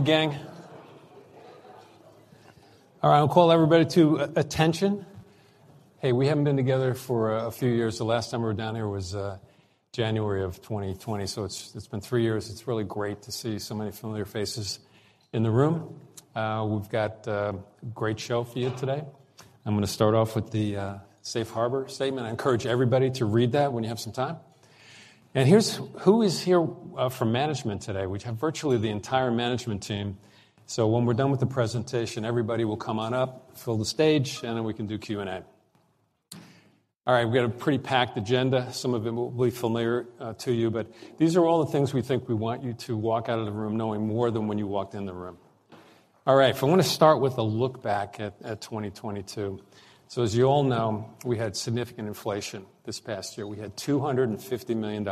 Hey, gang. All right, I'll call everybody to attention. Hey, we haven't been together for a few years. The last time we were down here was January of 2020, so it's been 3 years. It's really great to see so many familiar faces in the room. We've got a great show for you today. I'm gonna start off with the safe harbor statement. I encourage everybody to read that when you have some time. Here's who is here from management today. We have virtually the entire management team. When we're done with the presentation, everybody will come on up, fill the stage, and then we can do Q&A. All right, we've got a pretty packed agenda. Some of it will be familiar to you, these are all the things we think we want you to walk out of the room knowing more than when you walked in the room. All right. I wanna start with a look back at 2022. As you all know, we had significant inflation this past year. We had $250 million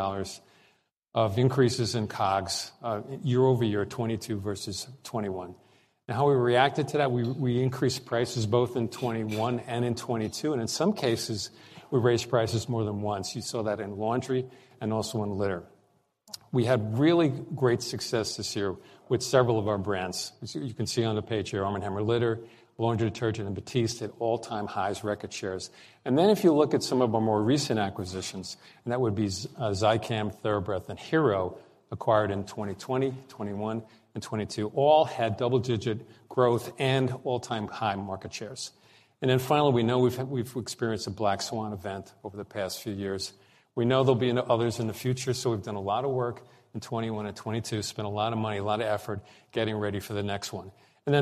of increases in COGS year-over-year, 2022 versus 2021. Now, how we reacted to that, we increased prices both in 2021 and in 2022, and in some cases, we raised prices more than once. You saw that in laundry and also in litter. We had really great success this year with several of our brands. As you can see on the page here, Arm & Hammer Litter, laundry detergent, and Batiste hit all-time highs record shares. If you look at some of our more recent acquisitions, that would be Zicam, TheraBreath, and Hero acquired in 2020, 2021, and 2022, all had double-digit growth and all-time high market shares. Finally, we know we've experienced a Black Swan event over the past few years. We know there'll be others in the future, so we've done a lot of work in 2021 and 2022, spent a lot of money, a lot of effort getting ready for the next one.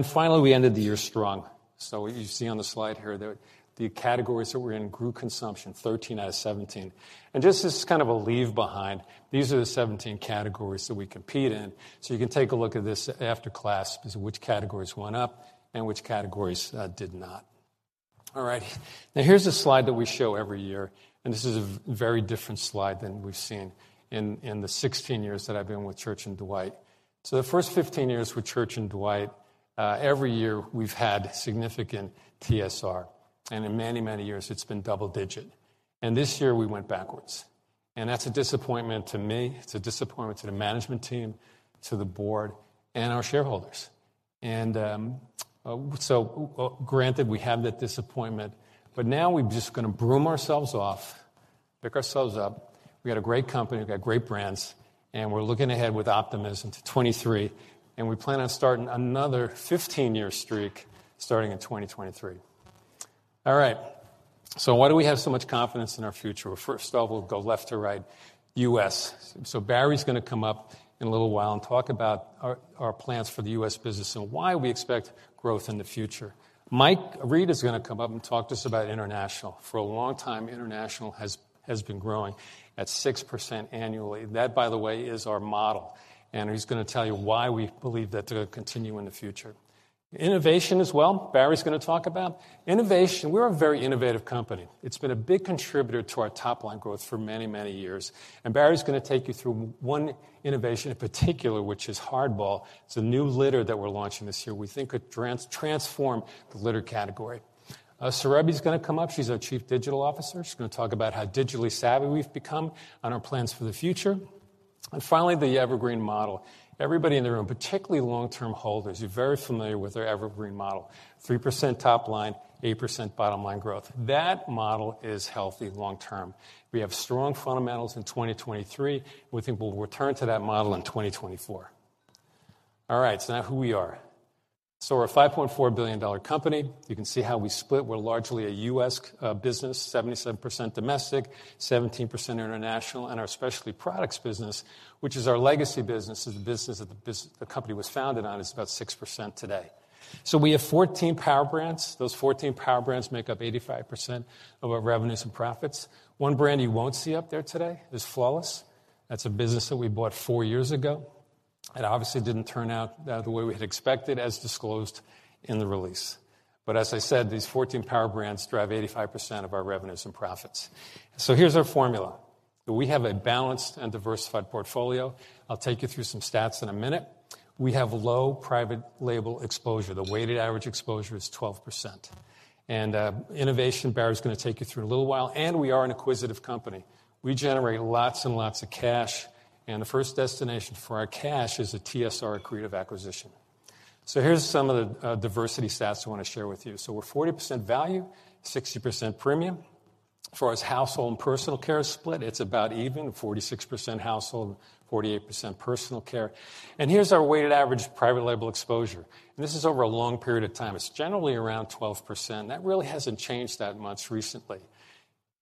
Finally, we ended the year strong. What you see on the slide here, the categories that we're in grew consumption 13 out of 17. Just as kind of a leave-behind, these are the 17 categories that we compete in. You can take a look at this after class as which categories went up and which categories did not. All right. Now, here's a slide that we show every year, and this is a very different slide than we've seen in the 16 years that I've been with Church & Dwight. The first 15 years with Church & Dwight, every year, we've had significant TSR, and in many years, it's been double-digit. This year we went backwards. That's a disappointment to me. It's a disappointment to the management team, to the board, and our shareholders. Granted, we have that disappointment, but now we're just gonna brush ourselves off, pick ourselves up. We got a great company, we got great brands, and we're looking ahead with optimism to 2023, and we plan on starting another 15-year streak starting in 2023. All right, why do we have so much confidence in our future? Well, first of all, we'll go left to right, U.S. Barry's gonna come up in a little while and talk about our plans for the U.S. business and why we expect growth in the future. Michael Read is gonna come up and talk to us about international. For a long time, international has been growing at 6% annually. That, by the way, is our model, and he's gonna tell you why we believe that to continue in the future. Innovation as well, Barry's gonna talk about. Innovation, we're a very innovative company. It's been a big contributor to our top-line growth for many, many years. Barry's gonna take you through one innovation in particular, which is Hardball. It's a new litter that we're launching this year we think could transform the litter category. Surabhi's gonna come up. She's our chief digital officer. She's gonna talk about how digitally savvy we've become on our plans for the future. Finally, the Evergreen Model. Everybody in the room, particularly long-term holders, you're very familiar with our Evergreen Model. 3% top line, 8% bottom line growth. That model is healthy long term. We have strong fundamentals in 2023. We think we'll return to that model in 2024. All right, now who we are. We're a $5.4 billion company. You can see how we split. We're largely a U.S. business, 77% domestic, 17% international. Our specialty products business, which is our legacy business, is the business that the company was founded on, is about 6% today. We have 14 power brands. Those 14 power brands make up 85% of our revenues and profits. One brand you won't see up there today is Flawless. That's a business that we bought 4 years ago. It obviously didn't turn out the way we had expected, as disclosed in the release. As I said, these 14 power brands drive 85% of our revenues and profits. Here's our formula. We have a balanced and diversified portfolio. I'll take you through some stats in a minute. We have low private label exposure. The weighted average exposure is 12%. Innovation, Barry's gonna take you through in a little while. We are an acquisitive company. We generate lots and lots of cash. The first destination for our cash is a TSR accretive acquisition. Here's some of the diversity stats I wanna share with you. We're 40% value, 60% premium. As far as household and personal care split, it's about even, 46% household, 48% personal care. Here's our weighted average private label exposure. This is over a long period of time. It's generally around 12%. That really hasn't changed that much recently.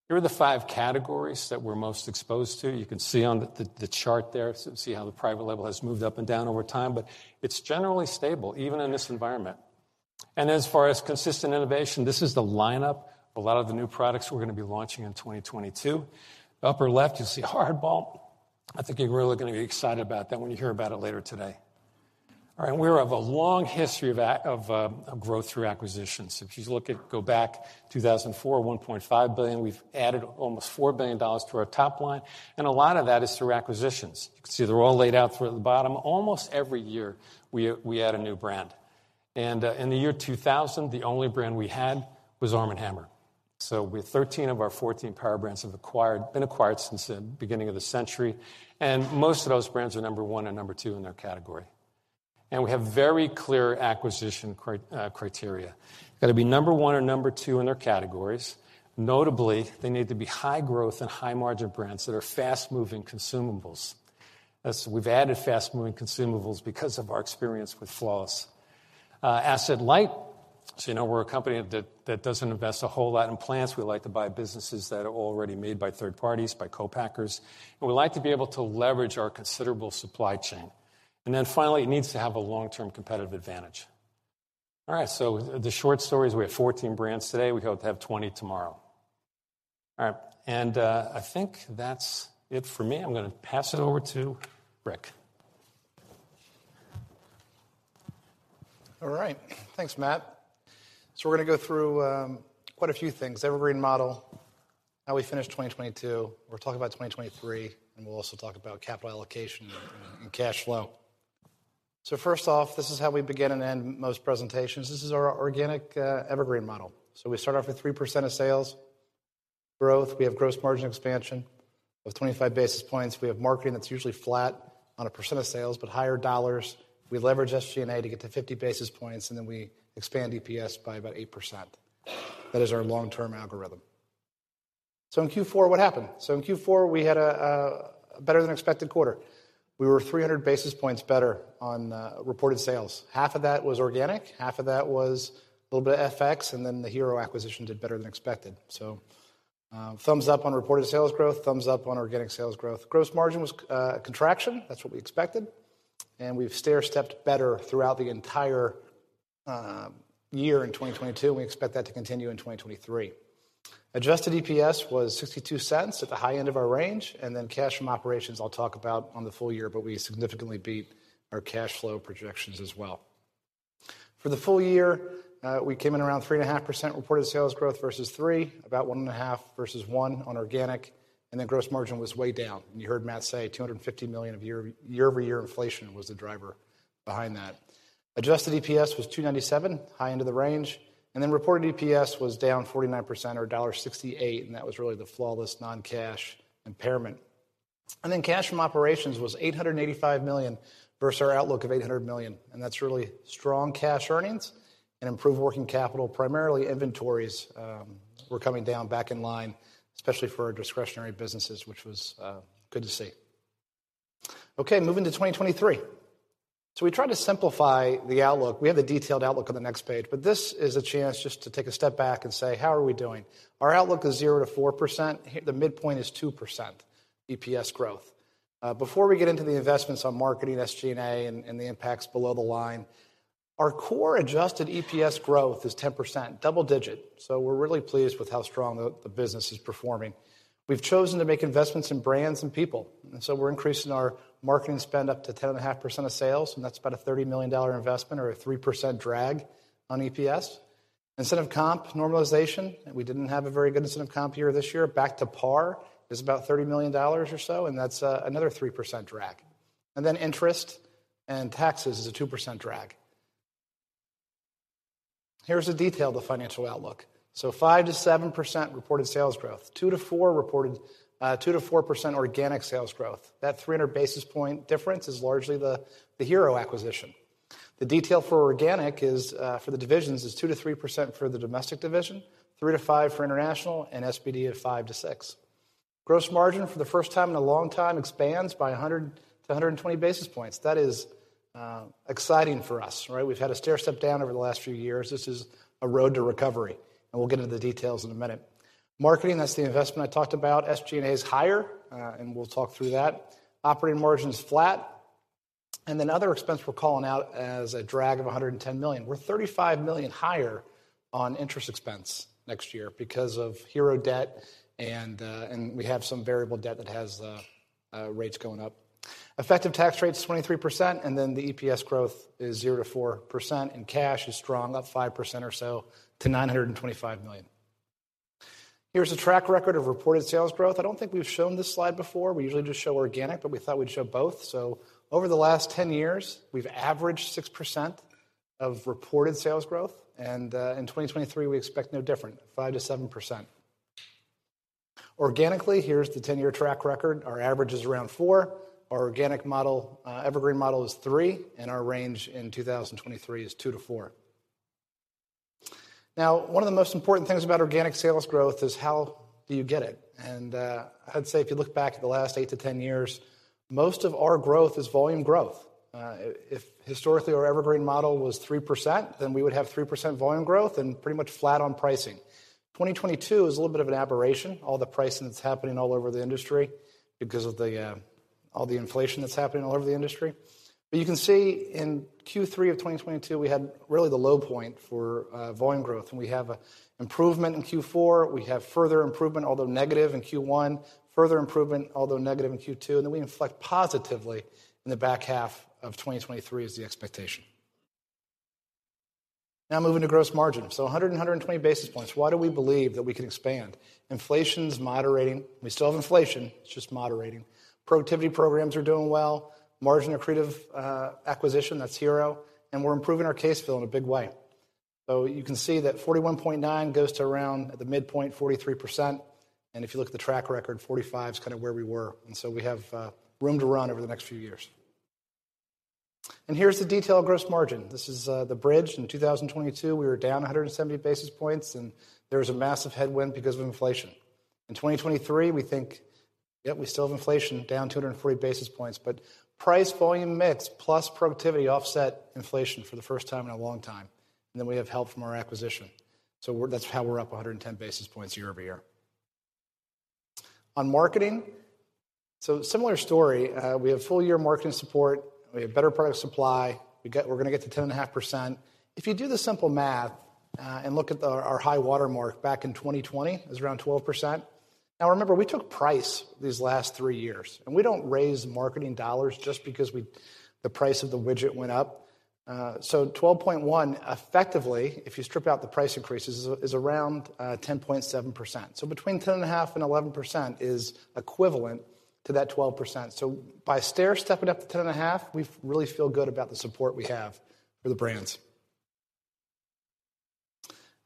Here are the five categories that we're most exposed to. You can see on the chart there, see how the private label has moved up and down over time, it's generally stable even in this environment. As far as consistent innovation, this is the lineup of a lot of the new products we're gonna be launching in 2022. Upper left, you'll see HardBall. I think you're really gonna be excited about that when you hear about it later today. All right. We have a long history of growth through acquisitions. If you look at, go back 2004, $1.5 billion, we've added almost $4 billion to our top line, and a lot of that is through acquisitions. You can see they're all laid out through the bottom. Almost every year we add a new brand. In the year 2000, the only brand we had was Arm & Hammer. With 13 of our 14 power brands been acquired since the beginning of the century, most of those brands are number 1 and number 2 in their category. We have very clear acquisition criteria. Gotta be number 1 or number 2 in their categories. Notably, they need to be high growth and high margin brands that are fast-moving consumables. As we've added fast-moving consumables because of our experience with Flawless. Asset light. You know, we're a company that doesn't invest a whole lot in plants. We like to buy businesses that are already made by third parties, by co-packers, and we like to be able to leverage our considerable supply chain. Finally, it needs to have a long-term competitive advantage. The short story is we have 14 brands today. We hope to have 20 tomorrow. All right. I think that's it for me. I'm gonna pass it over to Rick. All right. Thanks, Matt. We're gonna go through quite a few things. Evergreen Model, how we finished 2022. We're talking about 2023, and we'll also talk about capital allocation and cash flow. First off, this is how we begin and end most presentations. This is our organic Evergreen Model. We start off with 3% of sales growth. We have gross margin expansion of 25 basis points. We have marketing that's usually flat on a percent of sales, but higher dollars. We leverage SG&A to get to 50 basis points, and then we expand EPS by about 8%. That is our long-term algorithm. In Q4, what happened? In Q4, we had a better than expected quarter. We were 300 basis points better on reported sales. Half of that was organic, half of that was a little bit of FX. The Hero acquisition did better than expected. Thumbs up on reported sales growth. Thumbs up on organic sales growth. Gross margin was contraction. That's what we expected. We've stair-stepped better throughout the entire year in 2022, and we expect that to continue in 2023. Adjusted EPS was $0.62 at the high end of our range. Cash from operations, I'll talk about on the full year. We significantly beat our cash flow projections as well. For the full year, we came in around 3.5% reported sales growth versus 3%, about 1.5% versus 1% on organic. Gross margin was way down. You heard Matt say $250 million of year-over-year inflation was the driver behind that. Adjusted EPS was $2.97, high end of the range. Reported EPS was down 49% or $1.68. That was really the Flawless non-cash impairment. Cash from operations was $885 million versus our outlook of $800 million. That's really strong cash earnings and improved working capital. Primarily inventories were coming down back in line, especially for our discretionary businesses, which was good to see. Okay, moving to 2023. We tried to simplify the outlook. We have the detailed outlook on the next page. This is a chance just to take a step back and say, "How are we doing?" Our outlook is 0%-4%. The midpoint is 2% EPS growth. Before we get into the investments on marketing, SG&A and the impacts below the line, our core adjusted EPS growth is 10%, double digit. We're really pleased with how strong the business is performing. We've chosen to make investments in brands and people, we're increasing our marketing spend up to 10.5% of sales, and that's about a $30 million investment or a 3% drag on EPS. Incentive comp normalization, we didn't have a very good incentive comp year this year. Back to par is about $30 million or so, that's another 3% drag. Interest and taxes is a 2% drag. Here's the detail of the financial outlook. 5%-7% reported sales growth. 2%-4% organic sales growth. That 300 basis point difference is largely the Hero acquisition. The detail for organic is for the divisions is 2%-3% for the domestic division, 3%-5% for international, and SBD at 5%-6%. Gross margin for the first time in a long time expands by 100 to 120 basis points. That is exciting for us, right? We've had a stair-step down over the last few years. This is a road to recovery, we'll get into the details in a minute. Marketing, that's the investment I talked about. SG&A is higher, and we'll talk through that. Operating margin's flat. Other expense we're calling out as a drag of $110 million. We're $35 million higher on interest expense next year because of Hero debt, and we have some variable debt that has rates going up. Effective tax rate is 23%. The EPS growth is 0%-4%, and cash is strong, up 5% or so to $925 million. Here's a track record of reported sales growth. I don't think we've shown this slide before. We usually just show organic, we thought we'd show both. Over the last 10 years, we've averaged 6% of reported sales growth, and in 2023, we expect no different, 5%-7%. Organically, here's the 10-year track record. Our average is around 4%. Our organic model, Evergreen Model is 3%. Our range in 2023 is 2%-4%. Now, one of the most important things about organic sales growth is how do you get it? I'd say if you look back at the last 8-10 years, most of our growth is volume growth. If historically our Evergreen Model was 3%, then we would have 3% volume growth and pretty much flat on pricing. 2022 is a little bit of an aberration, all the pricing that's happening all over the industry because of all the inflation that's happening all over the industry. You can see in Q3 of 2022, we had really the low point for volume growth, and we have improvement in Q4. We have further improvement, although negative in Q1, further improvement, although negative in Q2, we inflect positively in the back half of 2023 is the expectation. Moving to gross margin. 120 basis points. Why do we believe that we can expand? Inflation's moderating. We still have inflation, it's just moderating. Productivity programs are doing well. Margin accretive acquisition, that's Hero, we're improving our case fill in a big way. You can see that 41.9 goes to around the midpoint, 43%. If you look at the track record, 45 is kind of where we were. We have room to run over the next few years. Here's the detailed gross margin. This is the bridge. In 2022, we were down 170 basis points, and there was a massive headwind because of inflation. In 2023, we think, yep, we still have inflation down 240 basis points. Price volume mix plus productivity offset inflation for the first time in a long time, and then we have help from our acquisition. That's how we're up 110 basis points year-over-year. On marketing, similar story. We have full year marketing support. We have better product supply. We're gonna get to 10.5%. If you do the simple math, and look at our high-water mark back in 2020, it was around 12%. Remember, we took price these last three years. We don't raise marketing dollars just because the price of the widget went up. 12.1, effectively, if you strip out the price increases, is around 10.7%. Between 10.5 and 11% is equivalent to that 12%. By stair-stepping up to 10.5, we really feel good about the support we have for the brands.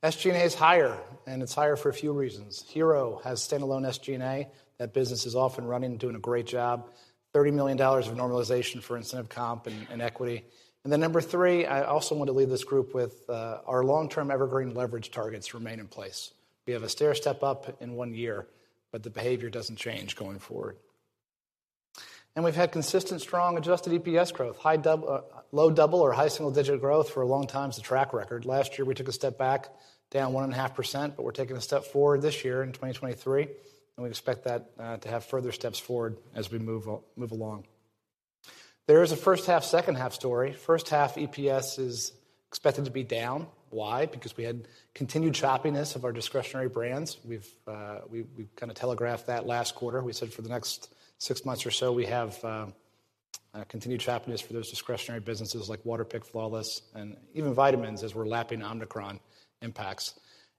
SG&A is higher. It's higher for a few reasons. Hero has standalone SG&A. That business is off and running, doing a great job. $30 million of normalization for incentive comp and equity. Number three, I also want to leave this group with our long-term evergreen leverage targets remain in place. We have a stair-step up in one year, but the behavior doesn't change going forward. We've had consistent strong adjusted EPS growth. Low double or high single-digit growth for a long time is the track record. Last year, we took a step back, down 1.5%, but we're taking a step forward this year in 2023, and we expect that to have further steps forward as we move along. There is a first half, second half story. First half EPS is expected to be down. Why? Because we had continued choppiness of our discretionary brands. We've kind of telegraphed that last quarter. We said for the next six months or so, we have continued choppiness for those discretionary businesses like Waterpik, Flawless, and even vitamins as we're lapping Omicron impacts.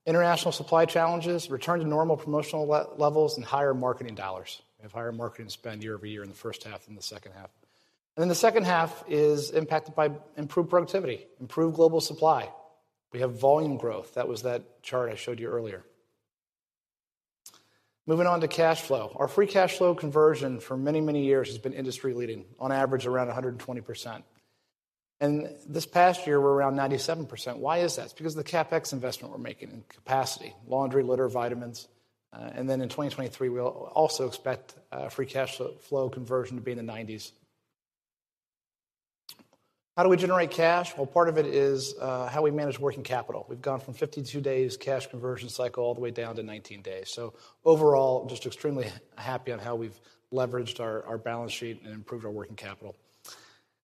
International supply challenges, return to normal promotional levels, and higher marketing dollars. We have higher marketing spend year-over-year in the first half than the second half. The second half is impacted by improved productivity, improved global supply. We have volume growth. That was that chart I showed you earlier. Moving on to cash flow. Our free cash flow conversion for many, many years has been industry-leading, on average around 120%. This past year, we're around 97%. Why is that? It's because of the CapEx investment we're making in capacity, laundry, litter, vitamins. In 2023, we'll also expect free cash flow conversion to be in the nineties. How do we generate cash? Well, part of it is how we manage working capital. We've gone from 52 days cash conversion cycle all the way down to 19 days. Overall, just extremely happy on how we've leveraged our balance sheet and improved our working capital.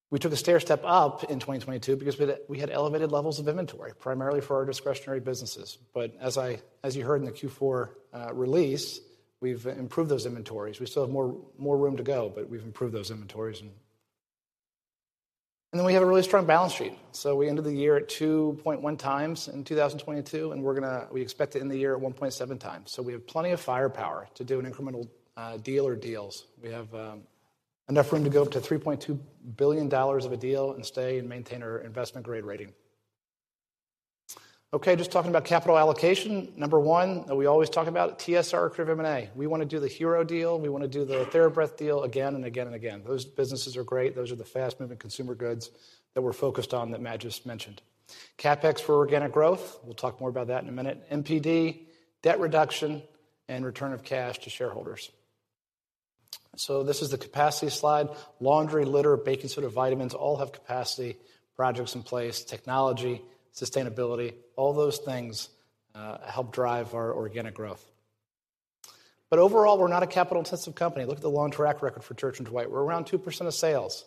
We took a stair-step up in 2022 because we had elevated levels of inventory, primarily for our discretionary businesses. As you heard in the Q4 release, we've improved those inventories. We still have more room to go, but we've improved those inventories. We have a really strong balance sheet. We ended the year at 2.1 times in 2022, and we expect to end the year at 1.7 times. We have plenty of firepower to do an incremental deal or deals. We have enough room to go up to $3.2 billion of a deal and stay and maintain our investment grade rating. Just talking about capital allocation. Number one, that we always talk about, TSR-accretive M&A. We wanna do the Hero deal. We wanna do the TheraBreath deal again and again and again. Those businesses are great. Those are the fast-moving consumer goods that we're focused on that Matt just mentioned. CapEx for organic growth, we'll talk more about that in a minute. MPD, debt reduction, and return of cash to shareholders. This is the capacity slide. Laundry, litter, baking soda, vitamins all have capacity projects in place, technology, sustainability, all those things help drive our organic growth. Overall, we're not a capital-intensive company. Look at the long track record for Church & Dwight. We're around 2% of sales.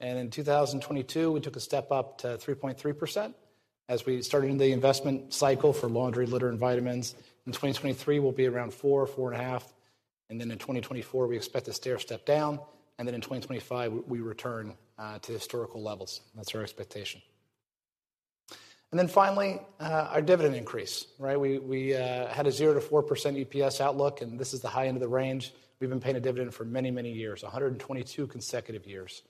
In 2022, we took a step up to 3.3% as we started the investment cycle for laundry, litter, and vitamins. In 2023, we'll be around 4.5%. In 2024, we expect to stair-step down. In 2025, we return to historical levels. That's our expectation. Finally, our dividend increase, right? We had a 0%-4% EPS outlook, and this is the high end of the range. We've been paying a dividend for many, many years, 122 consecutive years.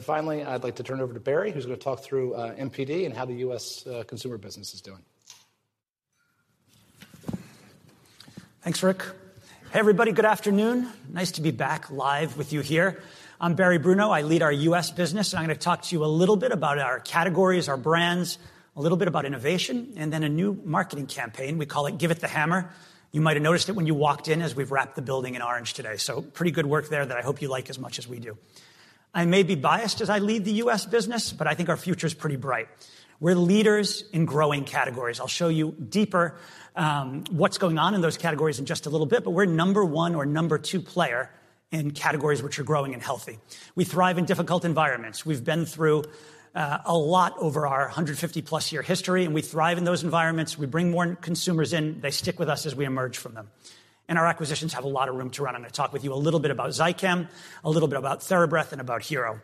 Finally, I'd like to turn it over to Barry, who's gonna talk through MPD and how the U.S. consumer business is doing. Thanks, Rick. Hey, everybody. Good afternoon. Nice to be back live with you here. I'm Barry Bruno. I lead our U.S. business, and I'm gonna talk to you a little bit about our categories, our brands, a little bit about innovation, and then a new marketing campaign. We call it Give It The Hammer. You might have noticed it when you walked in as we've wrapped the building in orange today. Pretty good work there that I hope you like as much as we do. I may be biased as I lead the U.S. business, but I think our future's pretty bright. We're leaders in growing categories. I'll show you deeper, what's going on in those categories in just a little bit, but we're number one or number two player in categories which are growing and healthy. We thrive in difficult environments. We've been through a lot over our 150-plus year history, and we thrive in those environments. We bring more consumers in. They stick with us as we emerge from them. Our acquisitions have a lot of room to run. I'm gonna talk with you a little bit about Zicam, a little bit about TheraBreath, and about Hero.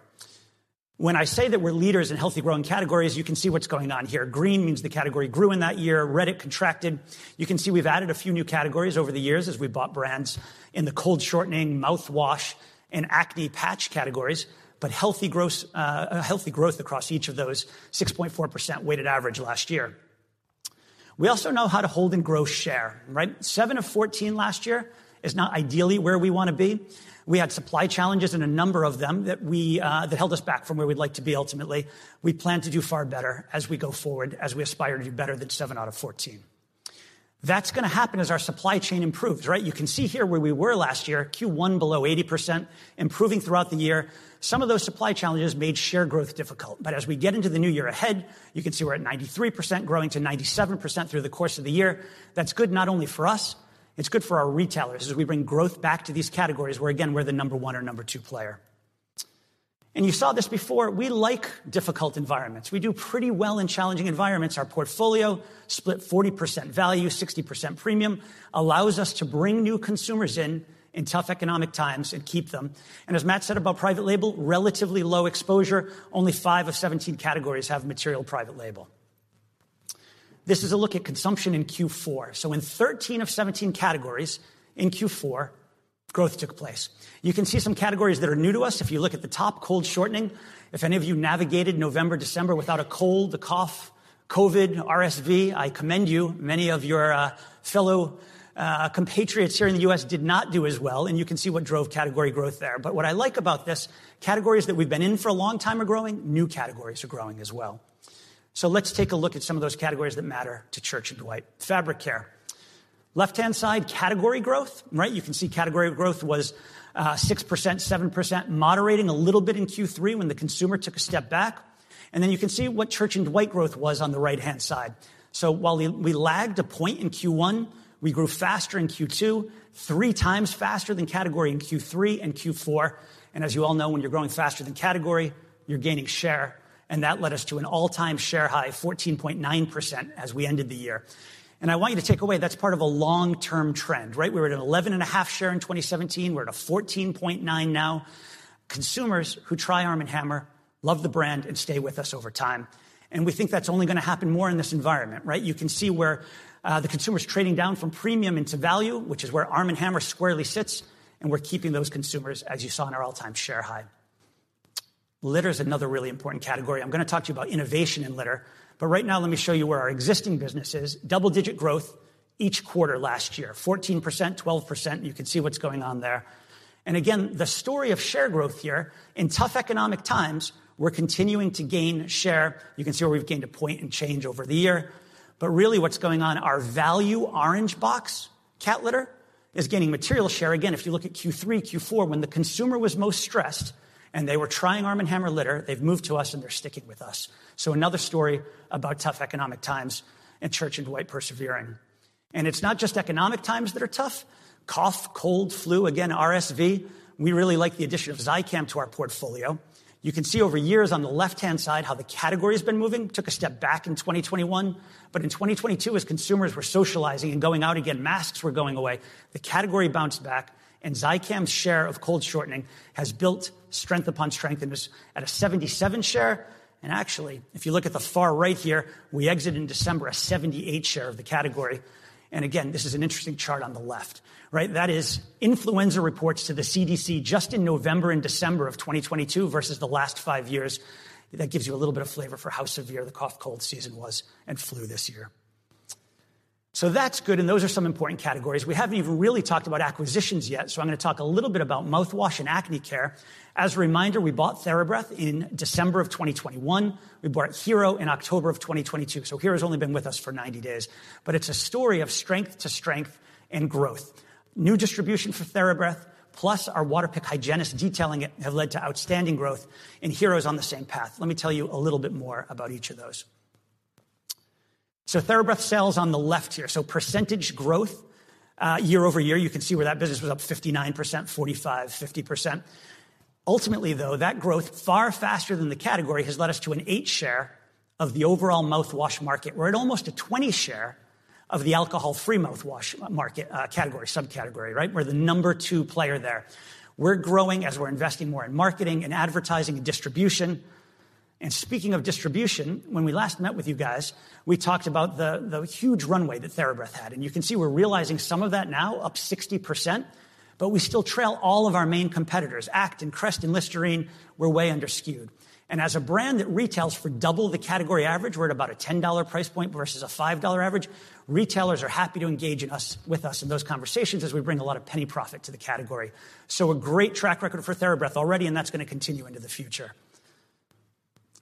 When I say that we're leaders in healthy growing categories, you can see what's going on here. Green means the category grew in that year, red it contracted. You can see we've added a few new categories over the years as we bought brands in the cold shortening, mouthwash, and acne patch categories. Healthy growth across each of those 6.4% weighted average last year. We also know how to hold and grow share, right? 7 of 14 last year is not ideally where we wanna be. We had supply challenges in a number of them that held us back from where we'd like to be ultimately. We plan to do far better as we go forward, as we aspire to do better than 7 out of 14. That's gonna happen as our supply chain improves, right? You can see here where we were last year, Q1 below 80%, improving throughout the year. Some of those supply challenges made share growth difficult. As we get into the new year ahead, you can see we're at 93%, growing to 97% through the course of the year. That's good not only for us, it's good for our retailers as we bring growth back to these categories where again, we're the number one or number two player. You saw this before. We like difficult environments. We do pretty well in challenging environments. Our portfolio split 40% value, 60% premium allows us to bring new consumers in in tough economic times and keep them. As Matt said about private label, relatively low exposure, only 5 of 17 categories have material private label. This is a look at consumption in Q4. In 13 of 17 categories in Q4, growth took place. You can see some categories that are new to us. If you look at the top, cold shortening. If any of you navigated November, December without a cold, a cough, COVID, RSV, I commend you. Many of your fellow compatriots here in the U.S. did not do as well, you can see what drove category growth there. What I like about this, categories that we've been in for a long time are growing, new categories are growing as well. Let's take a look at some of those categories that matter to Church & Dwight. Fabric care. Left-hand side, category growth, right? You can see category growth was 6%, 7%, moderating a little bit in Q3 when the consumer took a step back. You can see what Church & Dwight growth was on the right-hand side. While we lagged a point in Q1, we grew faster in Q2, three times faster than category in Q3 and Q4. As you all know, when you're growing faster than category, you're gaining share, and that led us to an all-time share high, 14.9% as we ended the year. I want you to take away that's part of a long-term trend, right? We were at 11.5 share in 2017. We're at a 14.9 now. Consumers who try Arm & Hammer love the brand and stay with us over time, and we think that's only gonna happen more in this environment, right? You can see where the consumer's trading down from premium into value, which is where Arm & Hammer squarely sits, and we're keeping those consumers, as you saw in our all-time share high. Litter is another really important category. I'm gonna talk to you about innovation in litter, but right now let me show you where our existing business is. Double-digit growth each quarter last year, 14%, 12%. You can see what's going on there. Again, the story of share growth here, in tough economic times, we're continuing to gain share. You can see where we've gained a point and change over the year. Really what's going on, our value Orange Box cat litter is gaining material share. Again, if you look at Q3, Q4, when the consumer was most stressed and they were trying Arm & Hammer litter, they've moved to us, and they're sticking with us. Another story about tough economic times and Church & Dwight persevering. It's not just economic times that are tough. Cough, cold, flu, again, RSV. We really like the addition of Zicam to our portfolio. You can see over years on the left-hand side how the category's been moving. Took a step back in 2021, in 2022, as consumers were socializing and going out again, masks were going away. The category bounced back, and Zicam's share of cold shortening has built strength upon strength and is at a 77 share. Actually, if you look at the far right here, we exit in December, a 78 share of the category. Again, this is an interesting chart on the left, right? That is influenza reports to the CDC just in November and December of 2022 versus the last 5 years. That's good, and those are some important categories. We haven't even really talked about acquisitions yet, so I'm gonna talk a little bit about mouthwash and acne care. As a reminder, we bought TheraBreath in December of 2021. We bought Hero in October of 2022, so Hero's only been with us for 90 days. It's a story of strength to strength and growth. New distribution for TheraBreath, plus our Waterpik hygienist detailing it have led to outstanding growth. Hero's on the same path. Let me tell you a little bit more about each of those. TheraBreath sales on the left here. Percentage growth, year-over-year, you can see where that business was up 59%, 45%, 50%. Ultimately, though, that growth far faster than the category has led us to an 8 share of the overall mouthwash market. We're at almost a 20 share of the alcohol-free mouthwash market, category, subcategory, right? We're the number 2 player there. We're growing as we're investing more in marketing and advertising and distribution. Speaking of distribution, when we last met with you guys, we talked about the huge runway that TheraBreath had. You can see we're realizing some of that now, up 60%, but we still trail all of our main competitors, ACT and Crest and Listerine were way under-skewed. As a brand that retails for double the category average, we're at about a $10 price point versus a $5 average. Retailers are happy to engage with us in those conversations as we bring a lot of penny profit to the category. A great track record for TheraBreath already, and that's gonna continue into the future.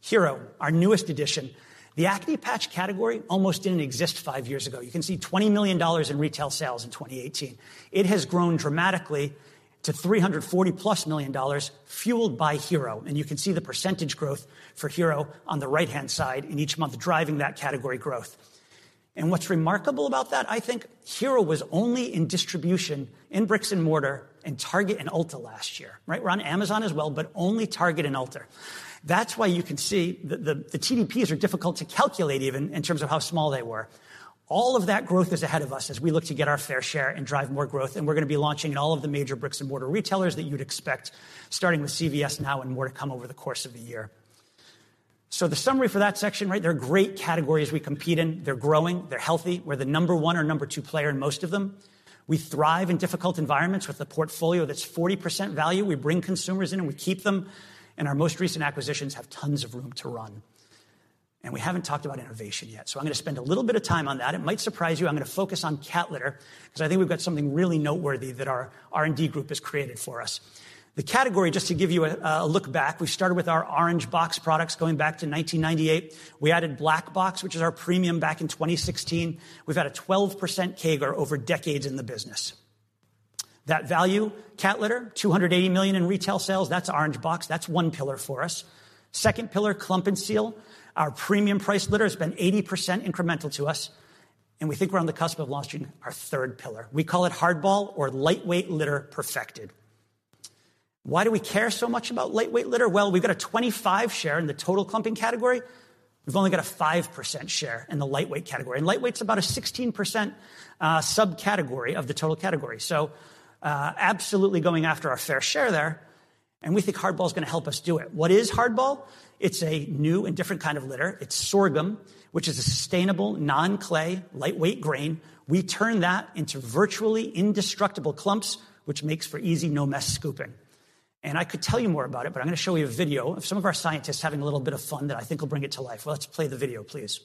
Hero, our newest addition. The acne patch category almost didn't exist five years ago. You can see $20 million in retail sales in 2018. It has grown dramatically to $340+ million, fueled by Hero. You can see the % growth for Hero on the right-hand side in each month driving that category growth. What's remarkable about that, I think Hero was only in distribution in bricks and mortar in Target and Ulta last year, right? We're on Amazon as well, but only Target and Ulta. That's why you can see the TDPs are difficult to calculate even in terms of how small they were. All of that growth is ahead of us as we look to get our fair share and drive more growth, and we're gonna be launching in all of the major bricks and mortar retailers that you'd expect, starting with CVS now and more to come over the course of the year. The summary for that section, right? They're great categories we compete in. They're growing, they're healthy. We're the number 1 or number 2 player in most of them. We thrive in difficult environments with a portfolio that's 40% value. We bring consumers in, and we keep them, and our most recent acquisitions have tons of room to run. We haven't talked about innovation yet, so I'm gonna spend a little bit of time on that. It might surprise you. I'm gonna focus on cat litter because I think we've got something really noteworthy that our R&D group has created for us. The category, just to give you a look back, we started with our Orange Box products going back to 1998. We added Black Box, which is our premium, back in 2016. We've had a 12% CAGR over decades in the business. That value, cat litter, $280 million in retail sales. That's Orange Box. That's one pillar for us. Second pillar, Clump & Seal, our premium price litter has been 80% incremental to us. We think we're on the cusp of launching our third pillar. We call it Hardball or lightweight litter perfected. Why do we care so much about lightweight litter? Well, we've got a 25 share in the total clumping category. We've only got a 5% share in the lightweight category. Lightweight's about a 16% subcategory of the total category. Absolutely going after our fair share there. We think Hardball's gonna help us do it. What is Hardball? It's a new and different kind of litter. It's sorghum, which is a sustainable non-clay, lightweight grain. We turn that into virtually indestructible clumps, which makes for easy, no-mess scooping. I could tell you more about it, but I'm gonna show you a video of some of our scientists having a little bit of fun that I think will bring it to life. Let's play the video, please.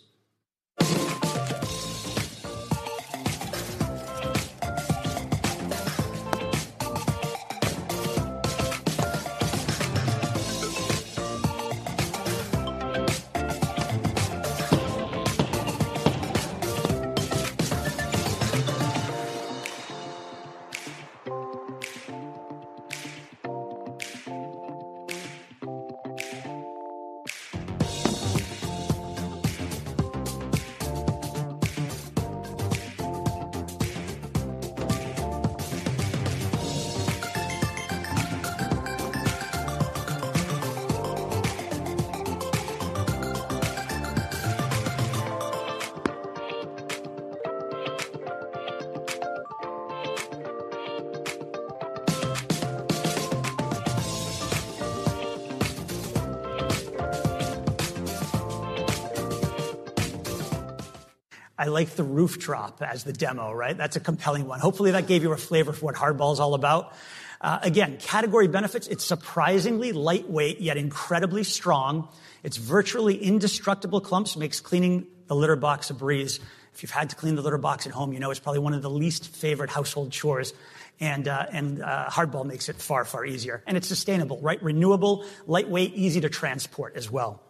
I like the roof drop as the demo, right? That's a compelling one. Hopefully, that gave you a flavor for what Hardball is all about. Again, category benefits, it's surprisingly lightweight, yet incredibly strong. It's virtually indestructible clumps makes cleaning the litter box a breeze. If you've had to clean the litter box at home, you know it's probably one of the least favorite household chores. Hardball makes it far, far easier. It's sustainable, right? Renewable, lightweight, easy to transport as well.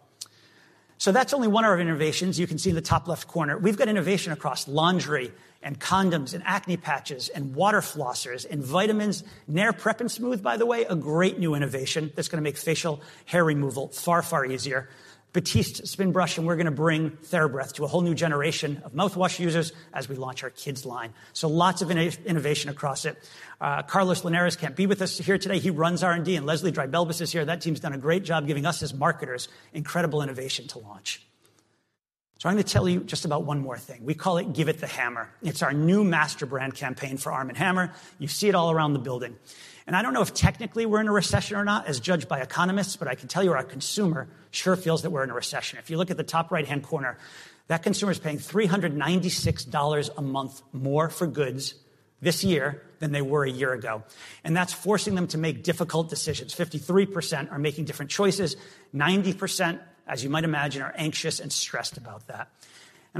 That's only one of our innovations. You can see in the top left corner. We've got innovation across laundry and condoms and acne patches and water flossers and vitamins. Nair Prep & Smooth, by the way, a great new innovation that's gonna make facial hair removal far, far easier. Batiste Spinbrush, and we're gonna bring TheraBreath to a whole new generation of mouthwash users as we launch our kids line. Lots of innovation across it. Carlos Linares can't be with us here today. He runs R&D, and Leslie Dreibelbis is here. That team's done a great job giving us, as marketers, incredible innovation to launch. I'm gonna tell you just about one more thing. We call it Give It The Hammer. It's our new master brand campaign for Arm & Hammer. You see it all around the building. I don't know if technically we're in a recession or not, as judged by economists, but I can tell you our consumer sure feels that we're in a recession. If you look at the top right-hand corner, that consumer is paying $396 a month more for goods this year than they were a year ago, and that's forcing them to make difficult decisions. 53% are making different choices. 90%, as you might imagine, are anxious and stressed about that.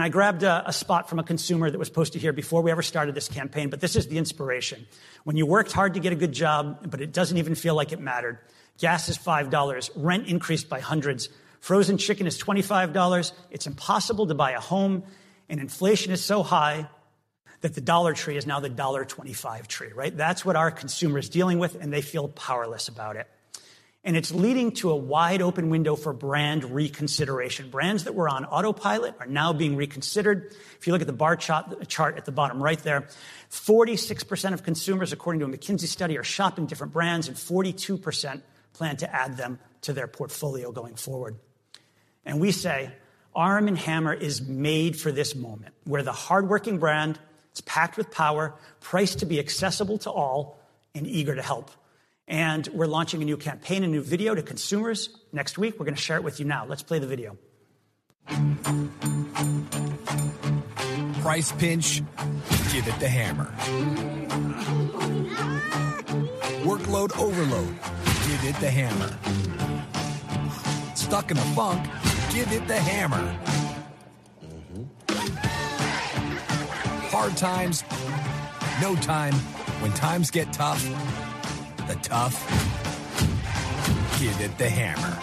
I grabbed a spot from a consumer that was posted here before we ever started this campaign, but this is the inspiration. When you worked hard to get a good job, but it doesn't even feel like it mattered. Gas is $5. Rent increased by hundreds. Frozen chicken is $25. It's impossible to buy a home. Inflation is so high that the Dollar Tree is now the $1.25 Tree, right? That's what our consumer is dealing with. They feel powerless about it. It's leading to a wide-open window for brand reconsideration. Brands that were on autopilot are now being reconsidered. If you look at the bar chart at the bottom right there, 46% of consumers, according to a McKinsey study, are shopping different brands. 42% plan to add them to their portfolio going forward. We say Arm & Hammer is made for this moment. We're the hardworking brand. It's packed with power, priced to be accessible to all, and eager to help. We're launching a new campaign, a new video to consumers next week. We're gonna share it with you now. Let's play the video. Price pinch? Give It The Hammer. Workload overload? Give It The Hammer. Stuck in a funk? Give It The Hammer. Hard times? No time? When times get tough, the tough Give It The Hammer.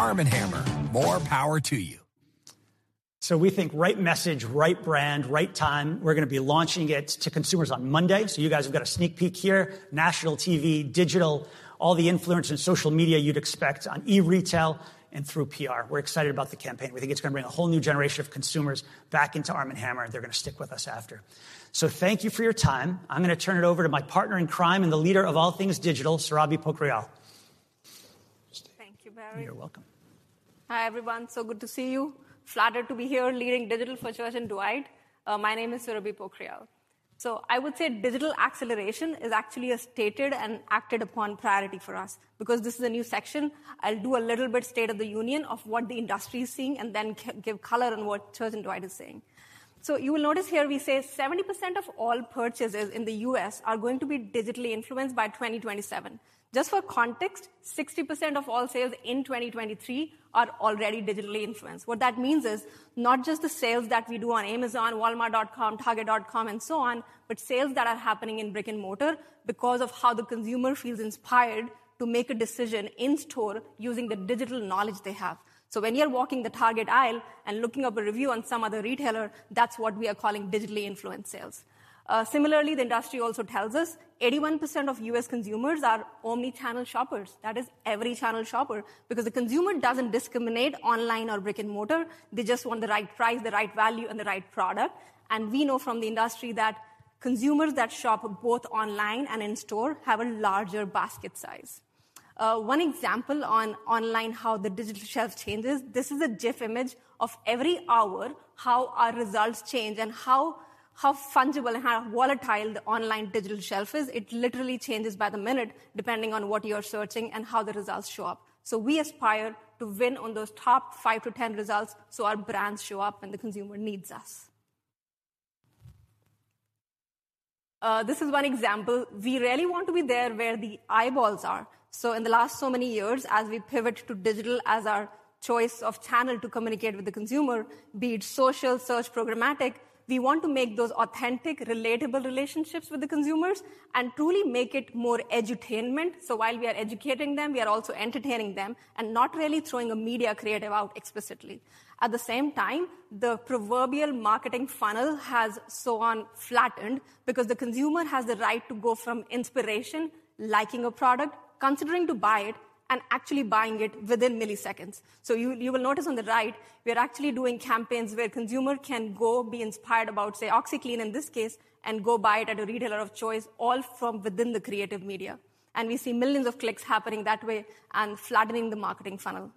Arm & Hammer, more power to you. We think right message, right brand, right time. We're gonna be launching it to consumers on Monday, so you guys have got a sneak peek here. National TV, digital, all the influence in social media you'd expect on e-retail and through PR. We're excited about the campaign. We think it's gonna bring a whole new generation of consumers back into Arm & Hammer. They're gonna stick with us after. Thank you for your time. I'm gonna turn it over to my partner in crime and the leader of all things digital, Surabhi Pokhriyal. Thank you, Barry. You're welcome. Hi, everyone. So good to see you. Flattered to be here leading digital for Church & Dwight. My name is Surabhi Pokhriyal. I would say digital acceleration is actually a stated and acted upon priority for us. Because this is a new section, I'll do a little bit state of the union of what the industry is seeing and then give color on what Procter & Gamble is saying. You will notice here we say 70% of all purchases in the U.S. are going to be digitally influenced by 2027. Just for context, 60% of all sales in 2023 are already digitally influenced. What that means is, not just the sales that we do on Amazon, Walmart.com, Target.com, and so on, but sales that are happening in brick-and-mortar because of how the consumer feels inspired to make a decision in store using the digital knowledge they have. When you're walking the Target aisle and looking up a review on some other retailer, that's what we are calling digitally influenced sales. Similarly, the industry also tells us 81% of U.S. consumers are omni-channel shoppers. That is every channel shopper, because the consumer doesn't discriminate online or brick-and-mortar, they just want the right price, the right value, and the right product. We know from the industry that consumers that shop both online and in-store have a larger basket size. One example on online, how the digital shelf changes, this is a GIF image of every hour, how our results change and how fungible and how volatile the online digital shelf is. It literally changes by the minute depending on what you're searching and how the results show up. We aspire to win on those top 5-10 results, so our brands show up when the consumer needs us. This is one example. We really want to be there where the eyeballs are. In the last so many years, as we pivot to digital as our choice of channel to communicate with the consumer, be it social, search, programmatic, we want to make those authentic, relatable relationships with the consumers and truly make it more edutainment. While we are educating them, we are also entertaining them and not really throwing a media creative out explicitly. At the same time, the proverbial marketing funnel has so on flattened because the consumer has the right to go from inspiration, liking a product, considering to buy it, and actually buying it within milliseconds. You will notice on the right, we are actually doing campaigns where consumer can go be inspired about, say, OxiClean in this case, and go buy it at a retailer of choice, all from within the creative media. We see millions of clicks happening that way and flattening the marketing funnel.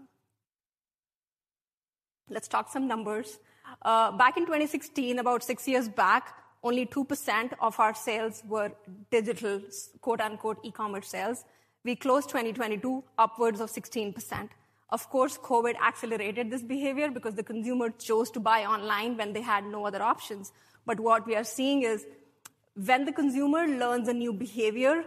Let's talk some numbers. Back in 2016, about 6 years back, only 2% of our sales were digital, quote-unquote, e-commerce sales. We closed 2022 upwards of 16%. Of course, COVID accelerated this behavior because the consumer chose to buy online when they had no other options. What we are seeing is when the consumer learns a new behavior,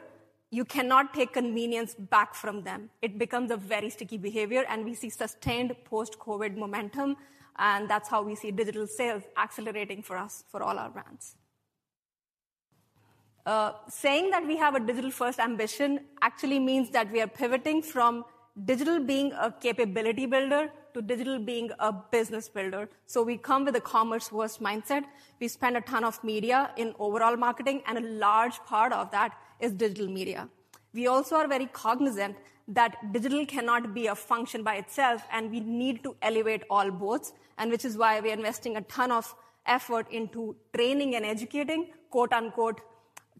you cannot take convenience back from them. It becomes a very sticky behavior, and we see sustained post-COVID momentum, and that's how we see digital sales accelerating for us for all our brands. Saying that we have a digital-first ambition actually means that we are pivoting from digital being a capability builder to digital being a business builder. We come with a commerce-first mindset. We spend a ton of media in overall marketing, and a large part of that is digital media. We also are very cognizant that digital cannot be a function by itself, and we need to elevate all boats, and which is why we are investing a ton of effort into training and educating, quote-unquote,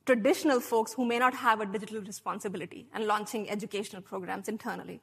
traditional folks who may not have a digital responsibility and launching educational programs internally.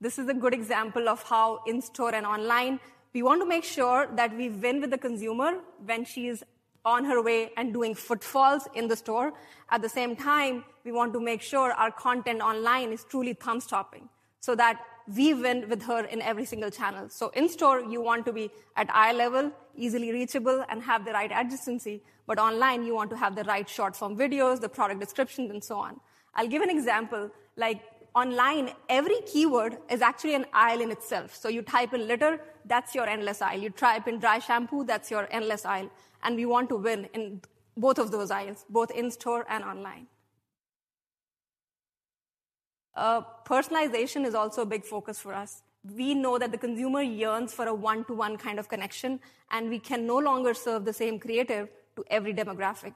This is a good example of how in-store and online, we want to make sure that we win with the consumer when she's on her way and doing footfalls in the store. At the same time, we want to make sure our content online is truly thumb-stopping so that we win with her in every single channel. In-store, you want to be at eye level, easily reachable, and have the right adjacency, but online you want to have the right short-form videos, the product descriptions, and so on. I'll give an example. Like online, every keyword is actually an aisle in itself. You type in litter, that's your endless aisle. You type in dry shampoo, that's your endless aisle. We want to win in both of those aisles, both in-store and online. Personalization is also a big focus for us. We know that the consumer yearns for a one-to-one kind of connection, and we can no longer serve the same creative to every demographic.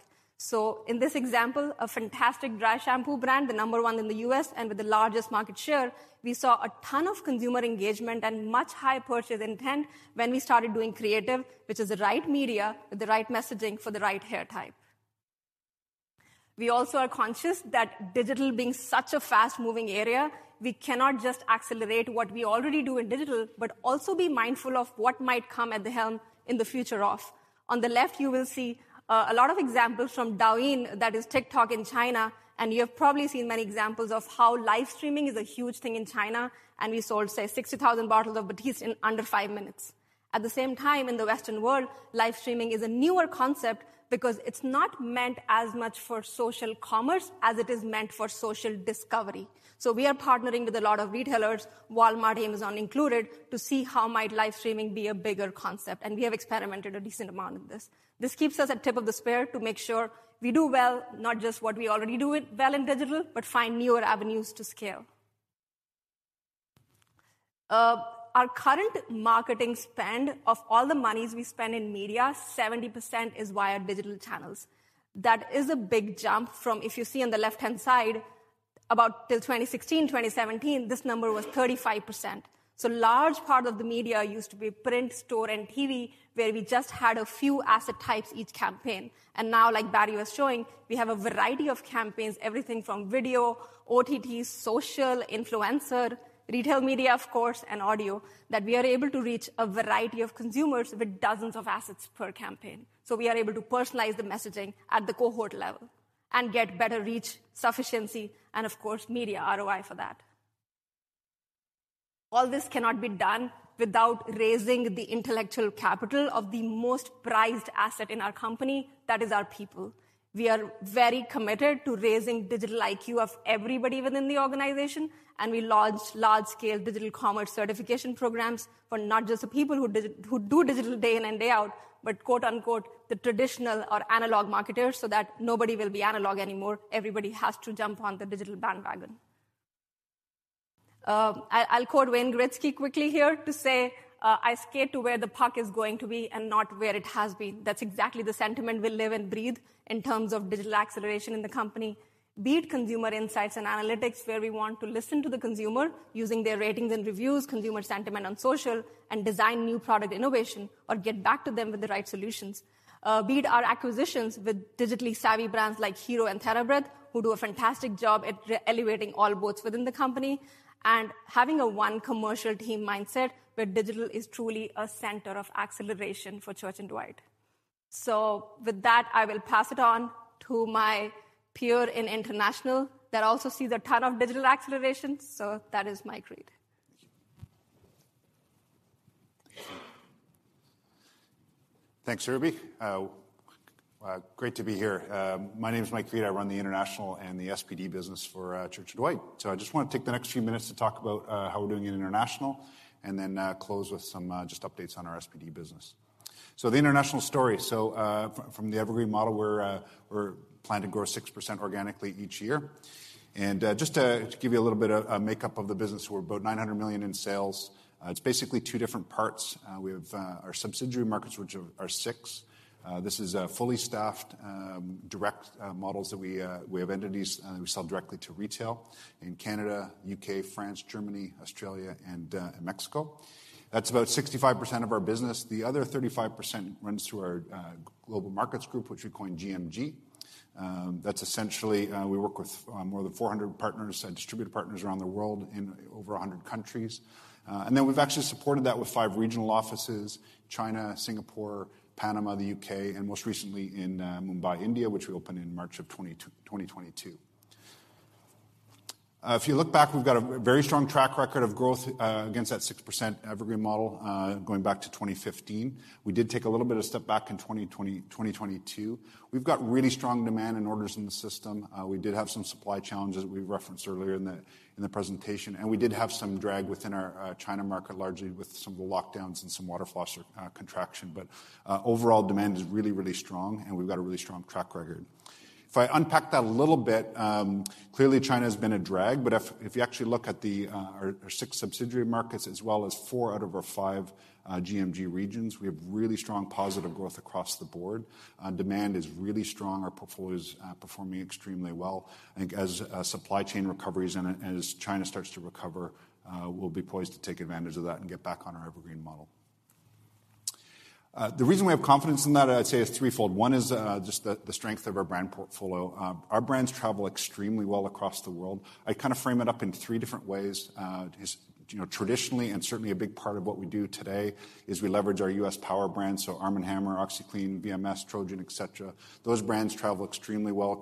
In this example, a fantastic dry shampoo brand, the number one in the U.S. and with the largest market share, we saw a ton of consumer engagement and much higher purchase intent when we started doing creative, which is the right media with the right messaging for the right hair type. We also are conscious that digital being such a fast-moving area, we cannot just accelerate what we already do in digital, but also be mindful of what might come at the helm in the future off. On the left, you will see a lot of examples from Douyin, that is TikTok in China, and you have probably seen many examples of how live streaming is a huge thing in China, and we sold, say, 60,000 bottles of Batiste in under 5 minutes. At the same time, in the Western world, live streaming is a newer concept because it's not meant as much for social commerce as it is meant for social discovery. We are partnering with a lot of retailers, Walmart, Amazon included, to see how might live streaming be a bigger concept, and we have experimented a decent amount of this. This keeps us at tip of the spear to make sure we do well, not just what we already do it well in digital, but find newer avenues to scale. Our current marketing spend of all the monies we spend in media, 70% is via digital channels. That is a big jump from, if you see on the left-hand side, about till 2016, 2017, this number was 35%. Large part of the media used to be print, store, and TV, where we just had a few asset types each campaign. Now, like Barry was showing, we have a variety of campaigns, everything from video, OTT, social, influencer, retail media, of course, and audio, that we are able to reach a variety of consumers with dozens of assets per campaign. We are able to personalize the messaging at the cohort level. And get better reach sufficiency and of course, media ROI for that. All this cannot be done without raising the intellectual capital of the most prized asset in our company, that is our people. We are very committed to raising digital IQ of everybody within the organization, and we launched large-scale digital commerce certification programs for not just the people who do digital day in and day out, but quote-unquote, "the traditional or analog marketers" so that nobody will be analog anymore. Everybody has to jump on the digital bandwagon. I'll quote Wayne Gretzky quickly here to say, "I skate to where the puck is going to be and not where it has been." That's exactly the sentiment we live and breathe in terms of digital acceleration in the company. Be it consumer insights and analytics, where we want to listen to the consumer using their ratings and reviews, consumer sentiment on social, and design new product innovation or get back to them with the right solutions. Be it our acquisitions with digitally savvy brands like Hero and TheraBreath, who do a fantastic job at elevating all boats within the company and having a one commercial team mindset where digital is truly a center of acceleration for Church & Dwight. With that, I will pass it on to my peer in international that also sees a ton of digital acceleration. That is Mike Reed. Great to be here. My name is Michael Read. I run the International and the SPD business for Church & Dwight. I just want to take the next few minutes to talk about how we're doing in International and then close with some just updates on our SPD business. The International story. From the Evergreen model, we're planning to grow 6% organically each year. Just to give you a little bit of makeup of the business, we're about $900 million in sales. It's basically two different parts. We have our subsidiary markets, which are six This is fully staffed, direct models that we have entities, we sell directly to retail in Canada, UK, France, Germany, Australia, and Mexico. That's about 65% of our business. The other 35% runs through our Global Markets Group, which we coin GMG. That's essentially, we work with more than 400 partners and distributor partners around the world in over 100 countries. We've actually supported that with 5 regional offices, China, Singapore, Panama, the UK, and most recently in Mumbai, India, which we opened in March of 2022. If you look back, we've got a very strong track record of growth against that 6% Evergreen Model, going back to 2015. We did take a little bit of step back in 2022. We've got really strong demand and orders in the system. We did have some supply challenges we referenced earlier in the presentation, and we did have some drag within our China market, largely with some of the lockdowns and some water floss contraction. Overall demand is really strong, and we've got a really strong track record. If I unpack that a little bit, clearly China has been a drag, if you actually look at our six subsidiary markets as well as four out of our five GMG regions, we have really strong positive growth across the board. Demand is really strong. Our portfolio is performing extremely well. I think as supply chain recovery is in it and as China starts to recover, we'll be poised to take advantage of that and get back on our Evergreen Model. The reason we have confidence in that, I'd say, is threefold. One is just the strength of our brand portfolio. Our brands travel extremely well across the world. I kind of frame it up in three different ways. Is, you know, traditionally, and certainly a big part of what we do today is we leverage our U.S. power brands, so Arm & Hammer, OxiClean, VMS, Trojan, et cetera. Those brands travel extremely well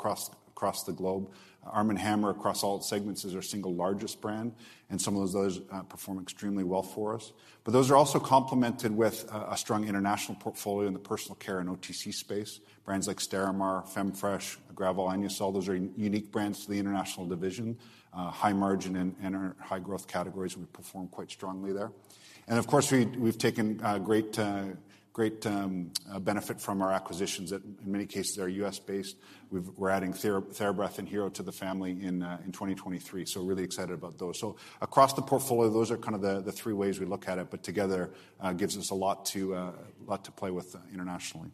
across the globe. Arm & Hammer across all segments is our single largest brand, and some of those perform extremely well for us. Those are also complemented with a strong international portfolio in the personal care and OTC space. Brands like Stérimar, Femfresh, Gravol, Anusol, those are unique brands to the international division. High margin and are high growth categories. We perform quite strongly there. Of course, we've taken great benefit from our acquisitions that in many cases are U.S.-based. We're adding TheraBreath and Hero to the family in 2023. Really excited about those. Across the portfolio, those are kind of the three ways we look at it, but together, gives us a lot to play with internationally.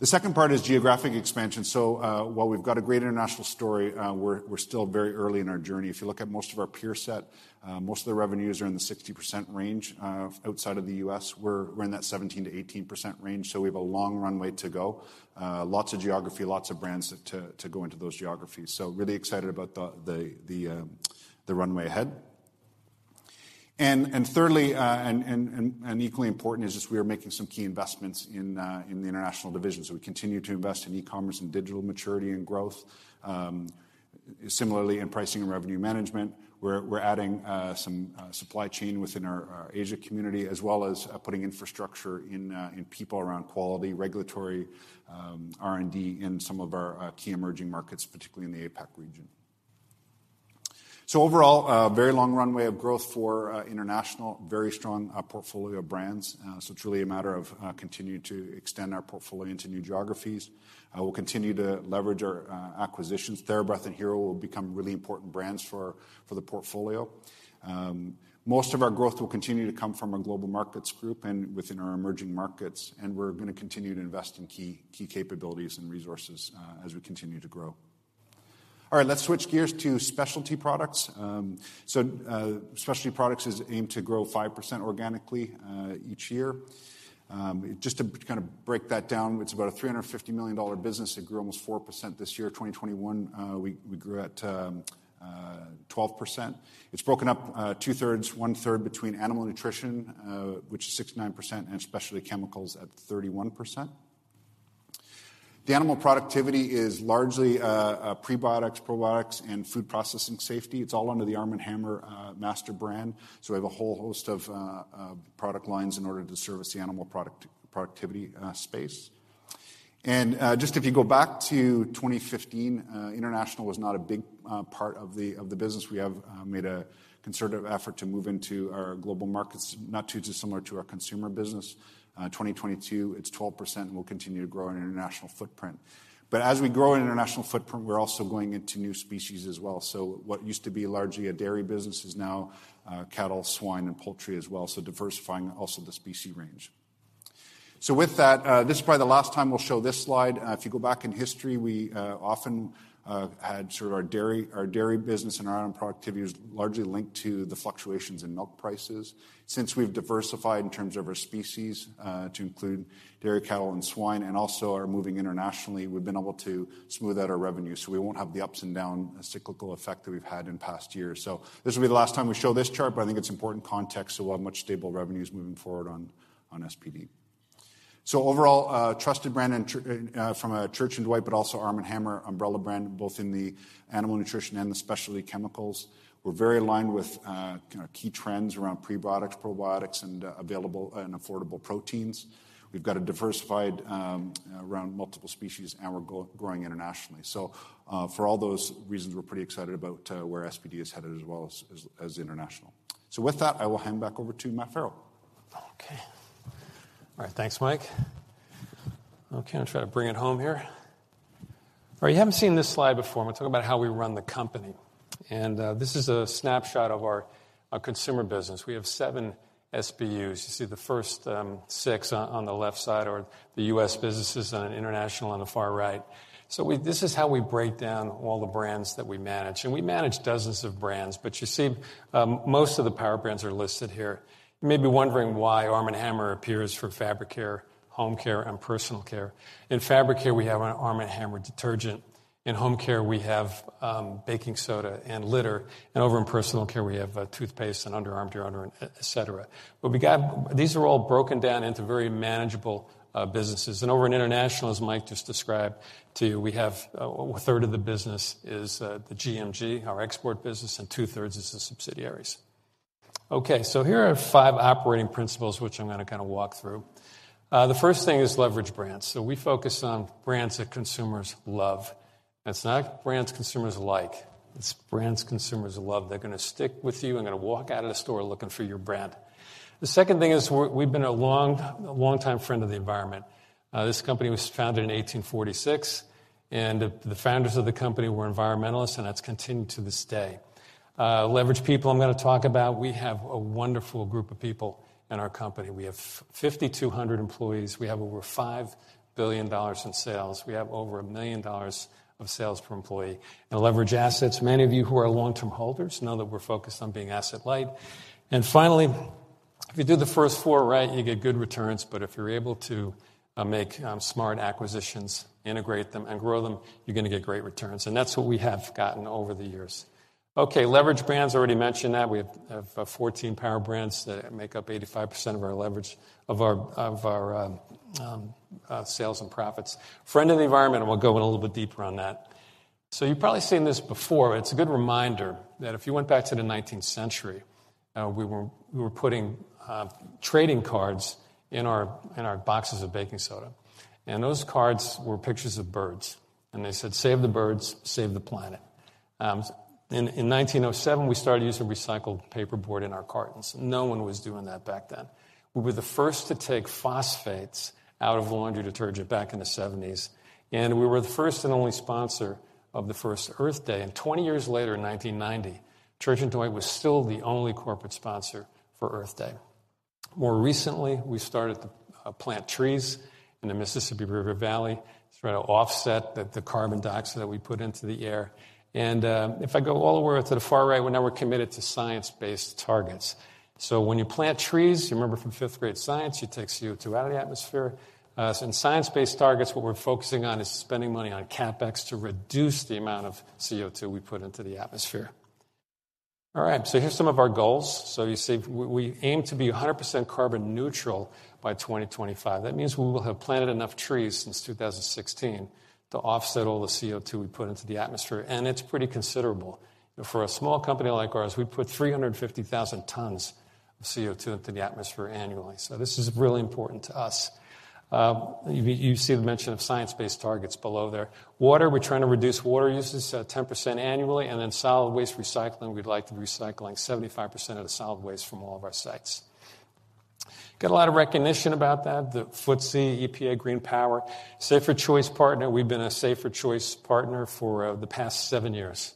The second part is geographic expansion. While we've got a great international story, we're still very early in our journey. If you look at most of our peer set, most of the revenues are in the 60% range outside of the U.S. We're in that 17%-18% range, we have a long runway to go. Lots of geography, lots of brands to go into those geographies. Really excited about the runway ahead. Thirdly, and equally important is just we are making some key investments in the international division. We continue to invest in e-commerce and digital maturity and growth, similarly in pricing and revenue management. We're adding some supply chain within our Asia community, as well as putting infrastructure in people around quality, regulatory, R&D in some of our key emerging markets, particularly in the APAC region. Overall, a very long runway of growth for international, very strong portfolio of brands. It's really a matter of continuing to extend our portfolio into new geographies. We'll continue to leverage our acquisitions. TheraBreath and Hero will become really important brands for the portfolio. Most of our growth will continue to come from our Global Markets Group and within our emerging markets, and we're gonna continue to invest in key capabilities and resources as we continue to grow. All right, let's switch gears to specialty products. Specialty products is aimed to grow 5% organically each year. Just to kind of break that down, it's about a $350 million business. It grew almost 4% this year. 2021, we grew at 12%. It's broken up two-thirds, one-third between animal nutrition, which is 69%, and specialty chemicals at 31%. The animal productivity is largely prebiotics, probiotics, and food processing safety. It's all under the Arm & Hammer master brand. We have a whole host of product lines in order to service the animal product-productivity space. Just if you go back to 2015, international was not a big part of the business. We have made a concerted effort to move into our global markets, not too dissimilar to our consumer business. 2022, it's 12%, and we'll continue to grow our international footprint. As we grow our international footprint, we're also going into new species as well. What used to be largely a dairy business is now cattle, swine, and poultry as well, so diversifying also the species range. With that, this is probably the last time we'll show this slide. If you go back in history, we often had sort of our dairy business and our animal productivity was largely linked to the fluctuations in milk prices. Since we've diversified in terms of our species, to include dairy cattle and swine and also are moving internationally, we've been able to smooth out our revenue, we won't have the ups and down cyclical effect that we've had in past years. This will be the last time we show this chart, but I think it's important context to how much stable revenue is moving forward on SPD. Overall, trusted brand and tr-- from Church & Dwight, but also Arm & Hammer umbrella brand, both in the animal nutrition and the specialty chemicals. We're very aligned with kinda key trends around prebiotics, probiotics, and available and affordable proteins. We've got a diversified, around multiple species, and we're growing internationally. For all those reasons, we're pretty excited about, where SPD is headed as well as international. With that, I will hand back over to Matthew Farrell. All right, thanks, Mike. I'll try to bring it home here. You haven't seen this slide before. I'm gonna talk about how we run the company. This is a snapshot of our consumer business. We have 7 SBUs. You see the first 6 on the left side are the U.S. businesses and international on the far right. This is how we break down all the brands that we manage, and we manage dozens of brands. You see, most of the power brands are listed here. You may be wondering why Arm & Hammer appears for fabric care, home care, and personal care. In fabric care, we have our Arm & Hammer detergent. In home care, we have baking soda and litter. Over in personal care, we have toothpaste and underarm deodorant, et cetera. These are all broken down into very manageable businesses. Over in international, as Mike just described to you, we have a third of the business is the GMG, our export business, and two-thirds is the subsidiaries. Here are five operating principles which I'm gonna kinda walk through. The first thing is leverage brands. We focus on brands that consumers love. It's not brands consumers like, it's brands consumers love. They're gonna stick with you and gonna walk out of the store looking for your brand. The second thing is we've been a long-time friend of the environment. This company was founded in 1846, and the founders of the company were environmentalists, and that's continued to this day. Leverage people, I'm gonna talk about. We have a wonderful group of people in our company. We have 5,200 employees. We have over $5 billion in sales. We have over $1 million of sales per employee. In leverage assets, many of you who are long-term holders know that we're focused on being asset light. Finally, if you do the first 4 right, you get good returns. If you're able to make smart acquisitions, integrate them, and grow them, you're gonna get great returns. That's what we have gotten over the years. Okay, leverage brands, already mentioned that. We have 14 power brands that make up 85% of our leverage, of our, of our sales and profits. Friend of the environment, we'll go in a little bit deeper on that. You've probably seen this before. It's a good reminder that if you went back to the 19th century, we were putting trading cards in our boxes of baking soda. Those cards were pictures of birds, and they said, "Save the birds, save the planet." In 1907, we started using recycled paperboard in our cartons. No one was doing that back then. We were the first to take phosphates out of laundry detergent back in the 70s, we were the first and only sponsor of the first Earth Day. 20 years later, in 1990, Church & Dwight was still the only corporate sponsor for Earth Day. More recently, we started to plant trees in the Mississippi River Valley to try to offset the carbon dioxide that we put into the air. If I go all the way to the far right, we're committed to Science Based Targets. When you plant trees, you remember from fifth-grade science, it takes CO2 out of the atmosphere. In Science Based Targets, what we're focusing on is spending money on CapEx to reduce the amount of CO2 we put into the atmosphere. All right, here's some of our goals. You see, we aim to be 100% carbon neutral by 2025. That means we will have planted enough trees since 2016 to offset all the CO2 we put into the atmosphere, and it's pretty considerable. For a small company like ours, we put 350,000 tons of CO2 into the atmosphere annually. This is really important to us. You see the mention of Science Based Targets below there. Water, we're trying to reduce water usage so 10% annually. Then solid waste recycling, we'd like to be recycling 75% of the solid waste from all of our sites. Got a lot of recognition about that. The FTSE, Green Power Partnership, Safer Choice Partner. We've been a Safer Choice Partner for the past 7 years.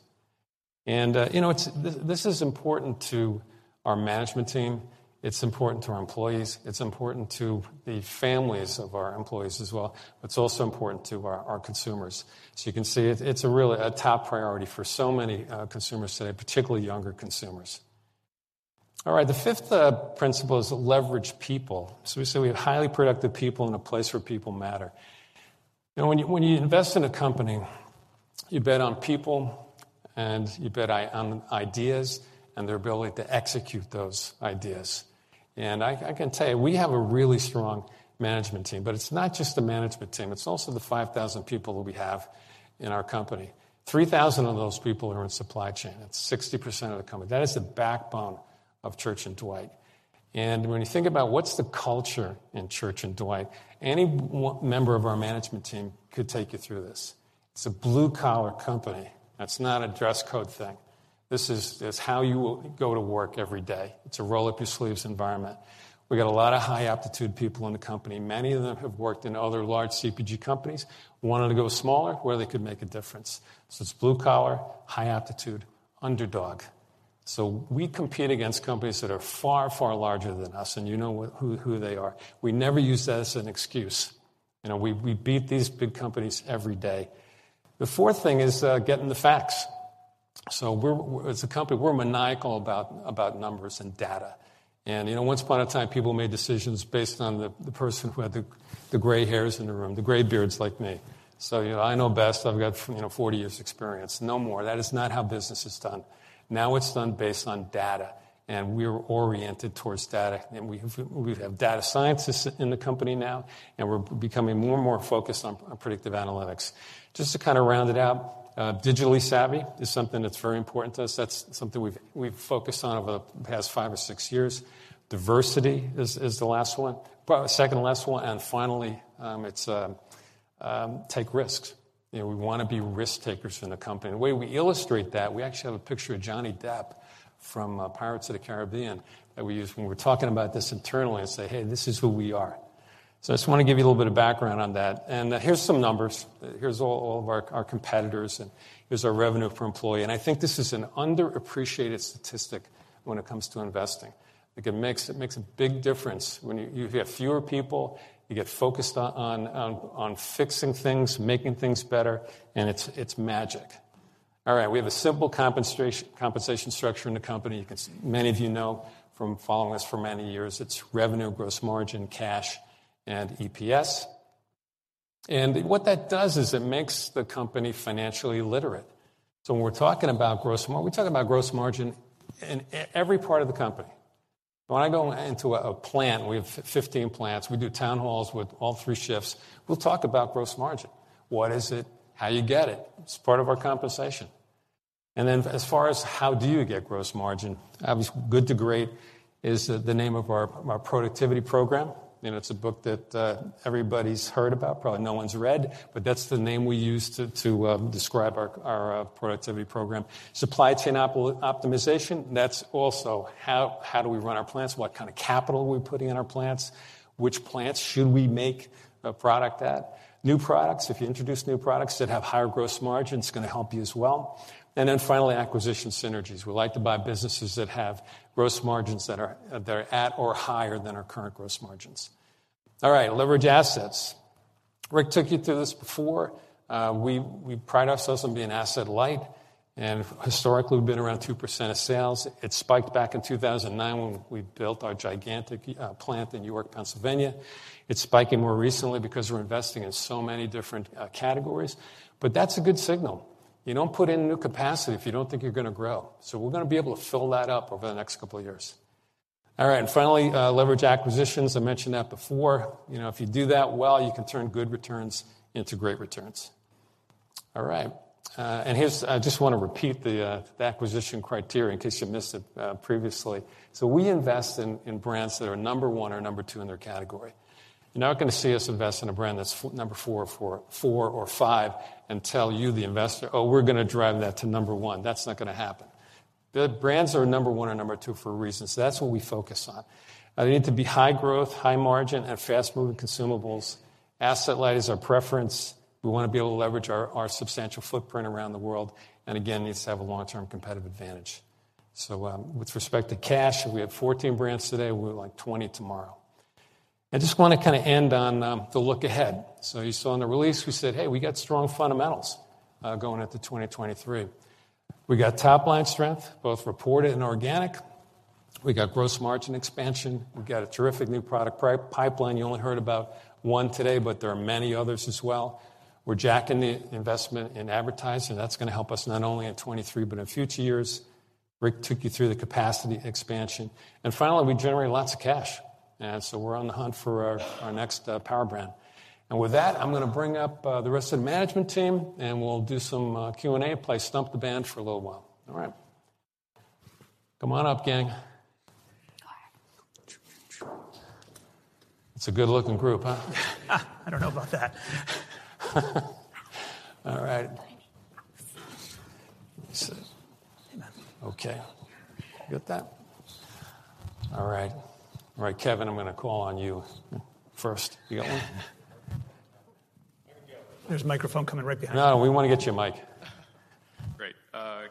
you know, this is important to our management team. It's important to our employees. It's important to the families of our employees as well. It's also important to our consumers. you can see it's a really a top priority for so many consumers today, particularly younger consumers. All right, the fifth principle is leverage people. we say we have highly productive people in a place where people matter. You know, when you invest in a company. You bet on people and you bet on ideas and their ability to execute those ideas. I can tell you, we have a really strong management team, but it's not just the management team, it's also the 5,000 people that we have in our company. 3,000 of those people are in supply chain. That's 60% of the company. That is the backbone of Church & Dwight. When you think about what's the culture in Church & Dwight, any member of our management team could take you through this. It's a blue-collar company. That's not a dress code thing. This is how you go to work every day. It's a roll-up-your-sleeves environment. We got a lot of high aptitude people in the company. Many of them have worked in other large CPG companies, wanted to go smaller where they could make a difference. It's blue collar, high aptitude, underdog. We compete against companies that are far, far larger than us, and you know who they are. We never use that as an excuse. You know, we beat these big companies every day. The fourth thing is getting the facts. As a company, we're maniacal about numbers and data. You know, once upon a time, people made decisions based on the person who had the gray hairs in the room, the gray beards like me. You know, I know best. I've got, you know, 40 years experience. No more. That is not how business is done. Now it's done based on data, and we're oriented towards data. We have data scientists in the company now, and we're becoming more and more focused on predictive analytics. Just to kinda round it out, digitally savvy is something that's very important to us. That's something we've focused on over the past 5 or 6 years. Diversity is the last one. Second to last one. Finally, take risks. You know, we wanna be risk-takers in the company. The way we illustrate that, we actually have a picture of Johnny Depp from Pirates of the Caribbean that we use when we're talking about this internally and say, "Hey, this is who we are." I just wanna give you a little bit of background on that. Here's some numbers. Here's all of our competitors, and here's our revenue per employee. I think this is an underappreciated statistic when it comes to investing. Like, it makes a big difference when you have fewer people, you get focused on fixing things, making things better, and it's magic. All right. We have a simple compensation structure in the company. Many of you know from following us for many years, it's revenue, gross margin, cash, and EPS. What that does is it makes the company financially literate. When we're talking about gross margin in every part of the company. When I go into a plant, we have 15 plants. We do town halls with all 3 shifts. We'll talk about gross margin. What is it? How you get it? It's part of our compensation. As far as how do you get gross margin, obviously, Good to Great is the name of our productivity program. You know, it's a book that everybody's heard about, probably no one's read, but that's the name we use to describe our productivity program. Supply chain optimization, that's also how do we run our plants, what kind of capital are we putting in our plants, which plants should we make a product at. New products. If you introduce new products that have higher gross margin, it's gonna help you as well. Finally, acquisition synergies. We like to buy businesses that have gross margins that are at or higher than our current gross margins. All right, leverage assets. Rick took you through this before. We pride ourselves on being asset light. Historically, we've been around 2% of sales. It spiked back in 2009 when we built our gigantic plant in York, Pennsylvania. It's spiking more recently because we're investing in so many different categories. That's a good signal. You don't put in new capacity if you don't think you're gonna grow. We're gonna be able to fill that up over the next couple of years. All right. Finally, leverage acquisitions. I mentioned that before. You know, if you do that well, you can turn good returns into great returns. All right. I just wanna repeat the acquisition criteria in case you missed it previously. We invest in brands that are number one or number two in their category. You're not gonna see us invest in a brand that's number four or five and tell you, the investor, "Oh, we're gonna drive that to number one." That's not gonna happen. The brands are number one or number two for a reason, that's what we focus on. They need to be high growth, high margin, have fast-moving consumables. Asset light is our preference. We wanna be able to leverage our substantial footprint around the world, again, needs to have a long-term competitive advantage. With respect to cash, we have 14 brands today. We'll have, like, 20 tomorrow. I just wanna kinda end on the look ahead. You saw in the release, we said, "Hey, we got strong fundamentals going into 2023." We got top-line strength, both reported and organic. We got gross margin expansion. We've got a terrific new product pipeline. You only heard about one today, there are many others as well. We're jacking the investment in advertising. That's gonna help us not only in 23 but in future years. Rick took you through the capacity expansion. Finally, we generate lots of cash. We're on the hunt for our next power brand. With that, I'm gonna bring up the rest of the management team, and we'll do some Q&A, play stump the band for a little while. All right. Come on up, gang. All right. It's a good-looking group, huh? I don't know about that. All right. Amen. Okay. You got that? All right. All right, Kevin, I'm gonna call on you first. You got one? There's a microphone coming right behind you. No, we wanna get you a mic. Great.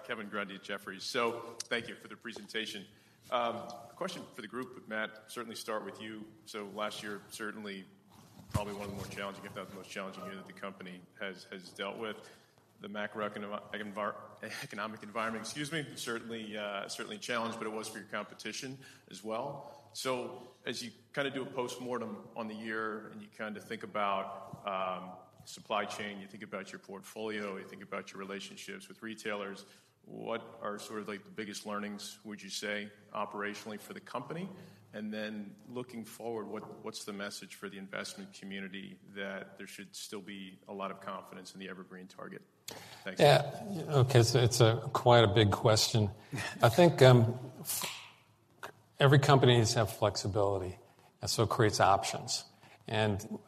Kevin Grundy at Jefferies. Thank you for the presentation. Question for the group, but Matt, certainly start with you. Last year. Probably one of the more challenging, if not the most challenging year that the company has dealt with. The economic environment, excuse me, certainly a challenge, but it was for your competition as well. As you kind of do a postmortem on the year, and you kind of think about, supply chain, you think about your portfolio, you think about your relationships with retailers, what are sort of like the biggest learnings, would you say, operationally for the company? Looking forward, what's the message for the investment community that there should still be a lot of confidence in the Evergreen target? Thanks. Yeah. Okay. It's a quite a big question. I think every company needs to have flexibility. It creates options.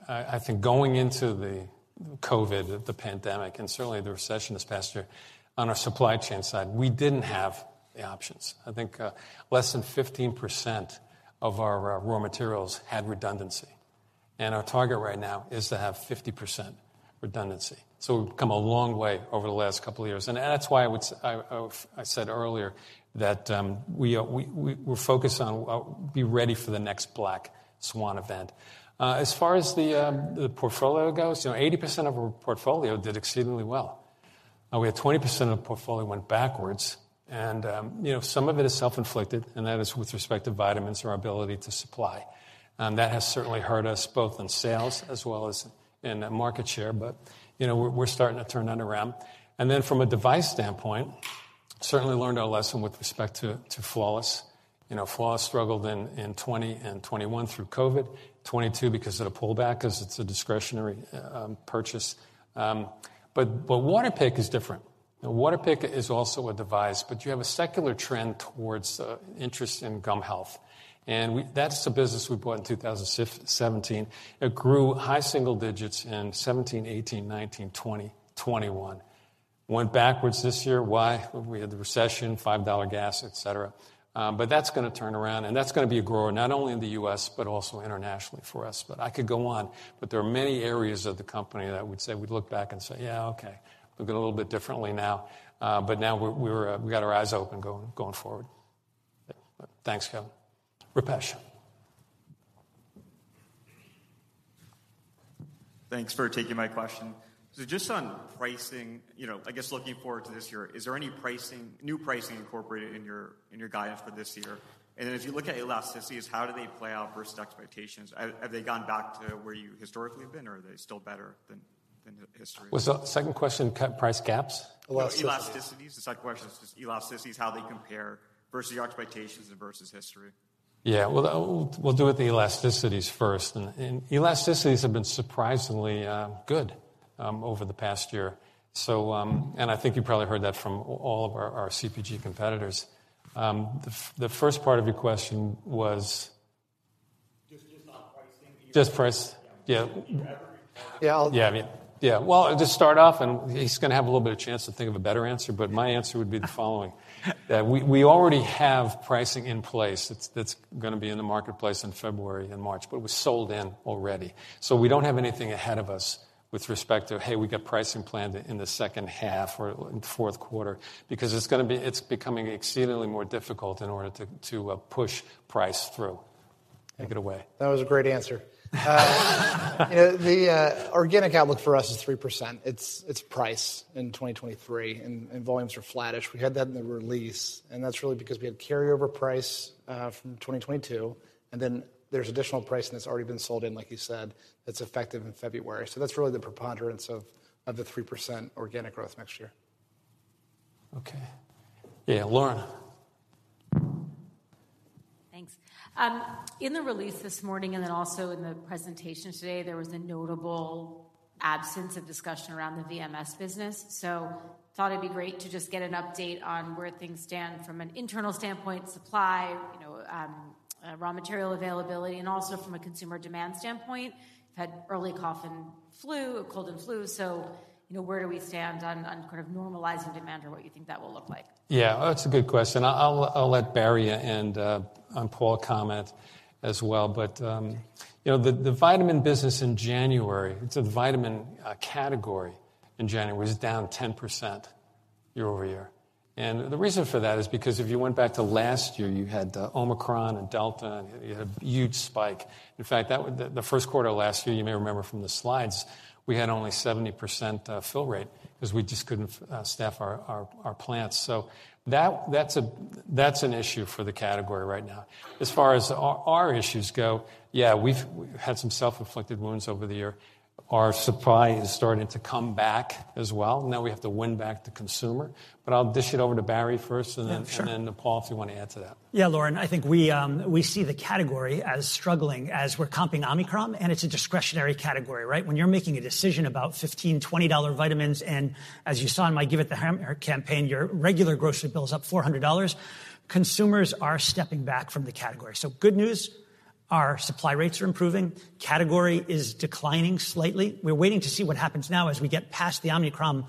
I think going into the COVID, the pandemic, and certainly the recession this past year, on our supply chain side, we didn't have the options. I think less than 15% of our raw materials had redundancy. Our target right now is to have 50% redundancy. We've come a long way over the last couple of years. That's why I said earlier that we're focused on be ready for the next black swan event. As far as the portfolio goes, you know, 80% of our portfolio did exceedingly well. We had 20% of the portfolio went backwards. You know, some of it is self-inflicted, and that is with respect to vitamins and our ability to supply. That has certainly hurt us both in sales as well as in market share. You know, we're starting to turn that around. From a device standpoint, certainly learned our lesson with respect to Flawless. You know, Flawless struggled in 2020 and 2021 through COVID. 2022 because of the pullback, 'cause it's a discretionary purchase. But Waterpik is different. Waterpik is also a device, but you have a secular trend towards interest in gum health. That's the business we bought in 2017. It grew high single digits in 2017, 2018, 2019, 2020, 2021. Went backwards this year. Why? We had the recession, $5 gas, et cetera. That's gonna turn around, and that's gonna be a grower, not only in the U.S., but also internationally for us. I could go on, but there are many areas of the company that would say, we'd look back and say, "Yeah, okay. Looking a little bit differently now." Now we're, we got our eyes open going forward. Thanks, Kevin. Rupesh. Thanks for taking my question. Just on pricing, you know, I guess looking forward to this year, is there any pricing, new pricing incorporated in your, in your guidance for this year? If you look at elasticities, how do they play out versus expectations? Have they gone back to where you historically have been, or are they still better than history? Was the second question price gaps? Elasticities. No, elasticities. The second question is just elasticities, how they compare versus your expectations and versus history. Yeah. We'll do with the elasticities first. Elasticities have been surprisingly good over the past year. I think you probably heard that from all of our CPG competitors. The first part of your question was? Just on pricing. Just price. Yeah. Yeah. In the evergreen product. Yeah. Yeah. Yeah. Well, I'll just start off, and he's going to have a little bit of chance to think of a better answer, but my answer would be the following. That we already have pricing in place that's gonna be in the marketplace in February and March, but it was sold in already. We don't have anything ahead of us with respect to, hey, we got pricing planned in the second half or in fourth quarter because it's becoming exceedingly more difficult in order to push price through. Take it away. That was a great answer. You know, the organic outlook for us is 3%. It's price in 2023, and volumes are flattish. We had that in the release, and that's really because we had carryover price from 2022, and then there's additional pricing that's already been sold in, like you said, that's effective in February. That's really the preponderance of the 3% organic growth next year. Okay. Yeah, Lauren. Thanks. In the release this morning, also in the presentation today, there was a notable absence of discussion around the VMS business. Thought it'd be great to just get an update on where things stand from an internal standpoint, supply, you know, raw material availability, and also from a consumer demand standpoint. We've had early cough and flu, cold and flu. You know, where do we stand on kind of normalizing demand or what you think that will look like? Yeah. That's a good question. I'll let Barry and Paul comment as well. you know, the vitamin business in January, so the vitamin category in January was down 10% year-over-year. The reason for that is because if you went back to last year, you had Omicron and Delta. You had a huge spike. In fact, the first quarter of last year, you may remember from the slides, we had only 70% fill rate because we just couldn't staff our plants. That's an issue for the category right now. As far as our issues go, yeah, we've had some self-inflicted wounds over the year. Our supply is starting to come back as well. Now we have to win back the consumer. I'll dish it over to Barry first. Yeah, sure. Then to Paul, if you want to add to that. Lauren, I think we see the category as struggling as we're comping Omicron, and it's a discretionary category, right? When you're making a decision about $15, $20 vitamins, and as you saw in my Give It The Hammer campaign, your regular grocery bill is up $400, consumers are stepping back from the category. Good news, our supply rates are improving. Category is declining slightly. We're waiting to see what happens now as we get past the Omicron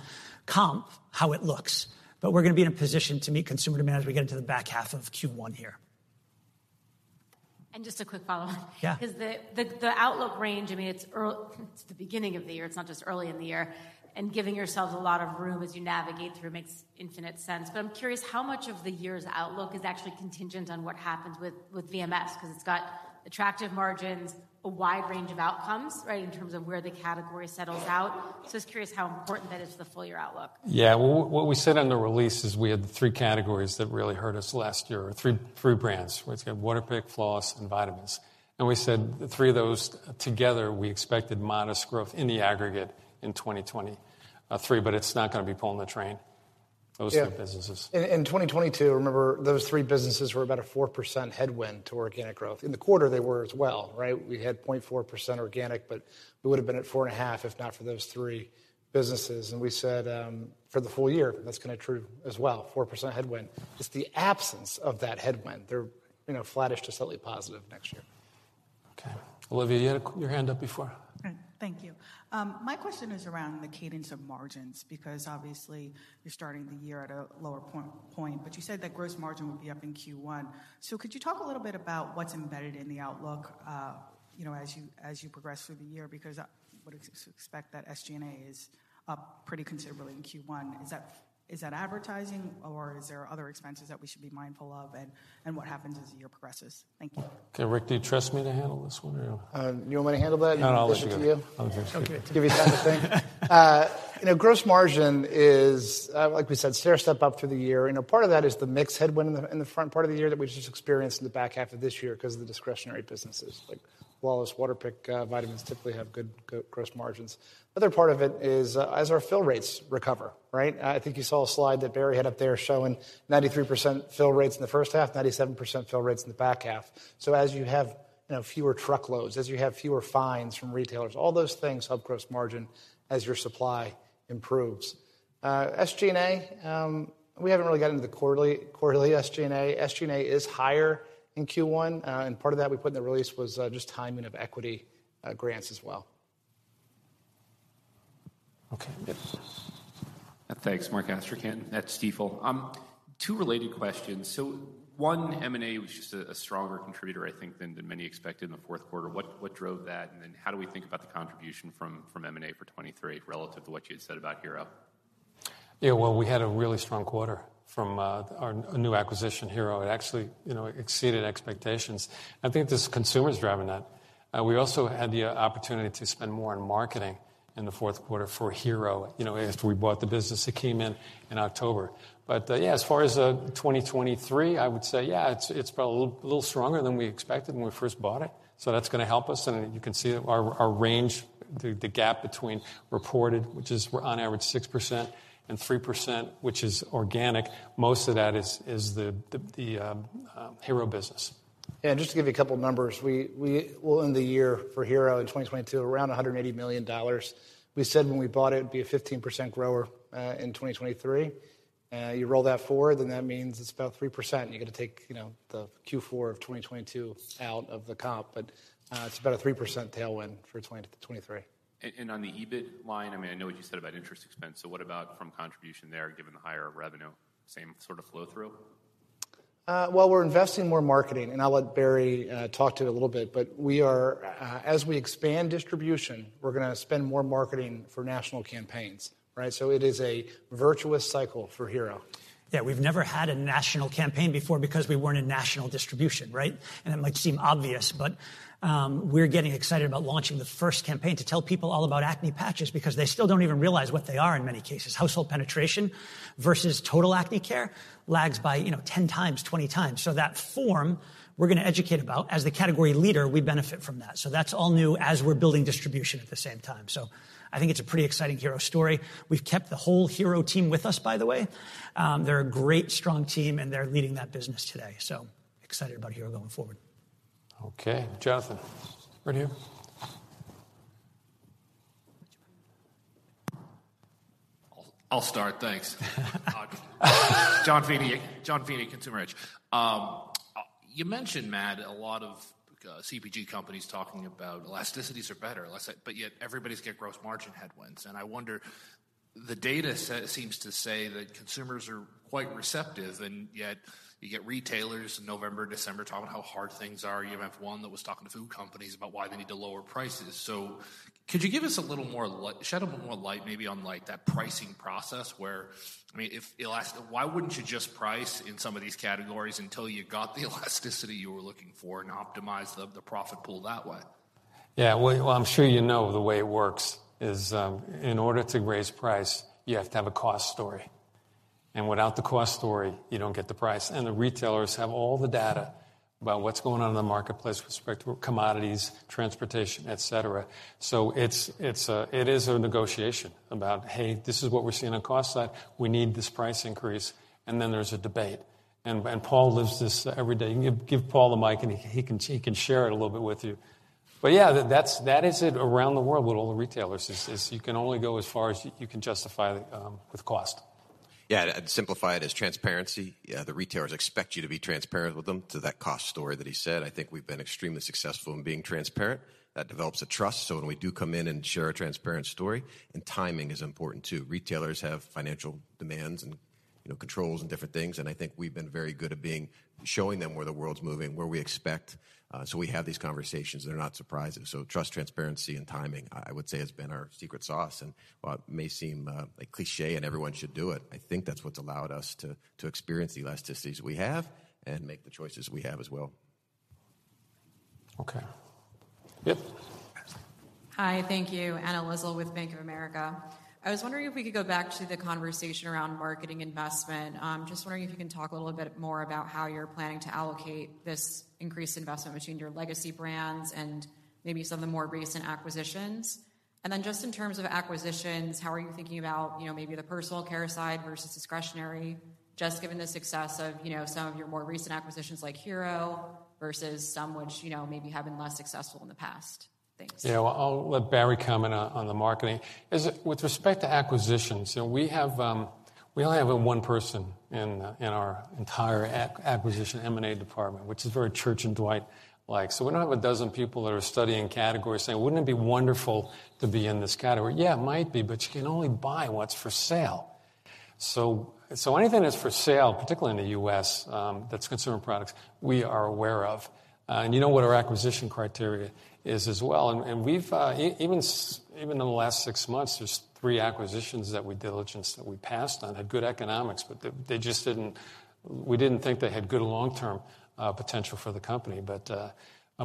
comp, how it looks. We're gonna be in a position to meet consumer demand as we get into the back half of Q1 here. Just a quick follow-up. Yeah. The outlook range, I mean, it's the beginning of the year, it's not just early in the year, and giving yourselves a lot of room as you navigate through makes infinite sense. I'm curious how much of the year's outlook is actually contingent on what happens with VMS? It's got attractive margins, a wide range of outcomes, right, in terms of where the category settles out. I'm just curious how important that is to the full year outlook. Yeah. Well, what we said on the release is we had the three categories that really hurt us last year, or three brands. We've got Waterpik, floss, and vitamins. We said the three of those together, we expected modest growth in the aggregate in 2023, but it's not gonna be pulling the train, those three businesses. Yeah. In, in 2022, remember, those three businesses were about a 4% headwind to organic growth. In the quarter, they were as well, right? We had 0.4% organic, but we would've been at 4.5% if not for those three businesses. We said, for the full year, that's gonna true as well, 4% headwind. Just the absence of that headwind. They're, you know, flattish to slightly positive next year. Okay. Olivia, you had your hand up before. All right. Thank you. My question is around the cadence of margins, because obviously you're starting the year at a lower point, but you said that gross margin will be up in Q1. Could you talk a little bit about what's embedded in the outlook, you know, as you, as you progress through the year? I would expect that SG&A is up pretty considerably in Q1. Is that advertising or is there other expenses that we should be mindful of and what happens as the year progresses? Thank you. Okay. Rick, do you trust me to handle this one or no? You want me to handle that? No, I'll let you. I'll give it to you. Okay. To give you something. You know, gross margin is, like we said, stairstep up through the year. You know, part of that is the mix headwind in the, in the front part of the year that we just experienced in the back half of this year 'cause of the discretionary businesses like Flawless, Waterpik, vitamins typically have good go-gross margins. Other part of it is, as our fill rates recover, right? I think you saw a slide that Barry had up there showing 93% fill rates in the first half, 97% fill rates in the back half. As you have, you know, fewer truckloads, as you have fewer fines from retailers, all those things help gross margin as your supply improves. SG&A, we haven't really gotten to the quarterly SG&A. SG&A is higher in Q1, and part of that we put in the release was, just timing of equity, grants as well. Okay. Yes. Thanks. Mark Astrachan at Stifel. Two related questions. One, M&A was just a stronger contributor, I think, than many expected in the fourth quarter. What drove that? How do we think about the contribution from M&A for 23 relative to what you had said about Hero? Yeah. Well, we had a really strong quarter from our new acquisition, Hero. It actually, you know, exceeded expectations. I think this consumer's driving that. We also had the opportunity to spend more on marketing in the fourth quarter for Hero. You know, after we bought the business, it came in in October. Yeah, as far as 2023, I would say, yeah, it's probably a little stronger than we expected when we first bought it. That's gonna help us, and you can see that our range, the gap between reported, which is on average 6% and 3%, which is organic, most of that is the Hero business. Just to give you a couple numbers, well, in the year for Hero in 2022, around $180 million. We said when we bought it'd be a 15% grower in 2023. You roll that forward, then that means it's about 3%. You gotta take, you know, the Q4 of 2022 out of the comp, but it's about a 3% tailwind for 2023. On the EBIT line, I mean, I know what you said about interest expense, what about from contribution there, given the higher revenue? Same sort of flow-through? Well, we're investing more marketing. I'll let Barry talk to it a little bit. We are, as we expand distribution, we're gonna spend more marketing for national campaigns, right? It is a virtuous cycle for Hero. We've never had a national campaign before because we weren't in national distribution, right? It might seem obvious, but we're getting excited about launching the first campaign to tell people all about acne patches because they still don't even realize what they are in many cases. Household penetration versus total acne care lags by, you know, 10 times, 20 times. That form, we're gonna educate about. As the category leader, we benefit from that. That's all new as we're building distribution at the same time. I think it's a pretty exciting Hero story. We've kept the whole Hero team with us, by the way. They're a great, strong team, and they're leading that business today. Excited about Hero going forward. Okay. Jonathan. Right here. I'll start. Thanks. Jonathan Feeney. Jonathan Feeney, Consumer Edge. You mentioned, Matt, a lot of CPG companies talking about elasticities are better, but yet everybody's got gross margin headwinds. I wonder, the data set seems to say that consumers are quite receptive, and yet you get retailers in November, December talking about how hard things are. You even have one that was talking to food companies about why they need to lower prices. Could you give us a little more shed a bit more light maybe on like that pricing process where, I mean, why wouldn't you just price in some of these categories until you got the elasticity you were looking for and optimize the profit pool that way? Well, I'm sure you know the way it works is, in order to raise price, you have to have a cost story. Without the cost story, you don't get the price. The retailers have all the data about what's going on in the marketplace with respect to commodities, transportation, et cetera. It is a negotiation about, "Hey, this is what we're seeing on cost side. We need this price increase." There's a debate. Paul lives this every day. You can give Paul the mic, and he can share it a little bit with you. That is it around the world with all the retailers is you can only go as far as you can justify with cost. Yeah. To simplify it, is transparency. The retailers expect you to be transparent with them to that cost story that he said. I think we've been extremely successful in being transparent. That develops a trust. When we do come in and share a transparent story, timing is important too. Retailers have financial demands and you know, controls and different things, and I think we've been very good at showing them where the world's moving, where we expect, so we have these conversations that are not surprising. Trust, transparency, and timing, I would say, has been our secret sauce. While it may seem like cliché and everyone should do it, I think that's what's allowed us to experience the elasticities we have and make the choices we have as well. Okay. Yep. Hi. Thank you. Anna Lizzul with Bank of America. I was wondering if we could go back to the conversation around marketing investment. Just wondering if you can talk a little bit more about how you're planning to allocate this increased investment between your legacy brands and maybe some of the more recent acquisitions. Just in terms of acquisitions, how are you thinking about, you know, maybe the personal care side versus discretionary, just given the success of, you know, some of your more recent acquisitions like Hero versus some which, you know, maybe have been less successful in the past. Thanks. Yeah. Well, I'll let Barry comment on the marketing. With respect to acquisitions, you know, we have, we only have one person in our entire acquisition M&A department, which is very Church & Dwight-like. We don't have 12 people that are studying categories saying, "Wouldn't it be wonderful to be in this category?" Yeah, it might be. You can only buy what's for sale. Anything that's for sale, particularly in the U.S., that's consumer products, we are aware of. You know what our acquisition criteria is as well. We've even in the last 6 months, there's 3 acquisitions that we diligenced, that we passed on, had good economics. We didn't think they had good long-term potential for the company.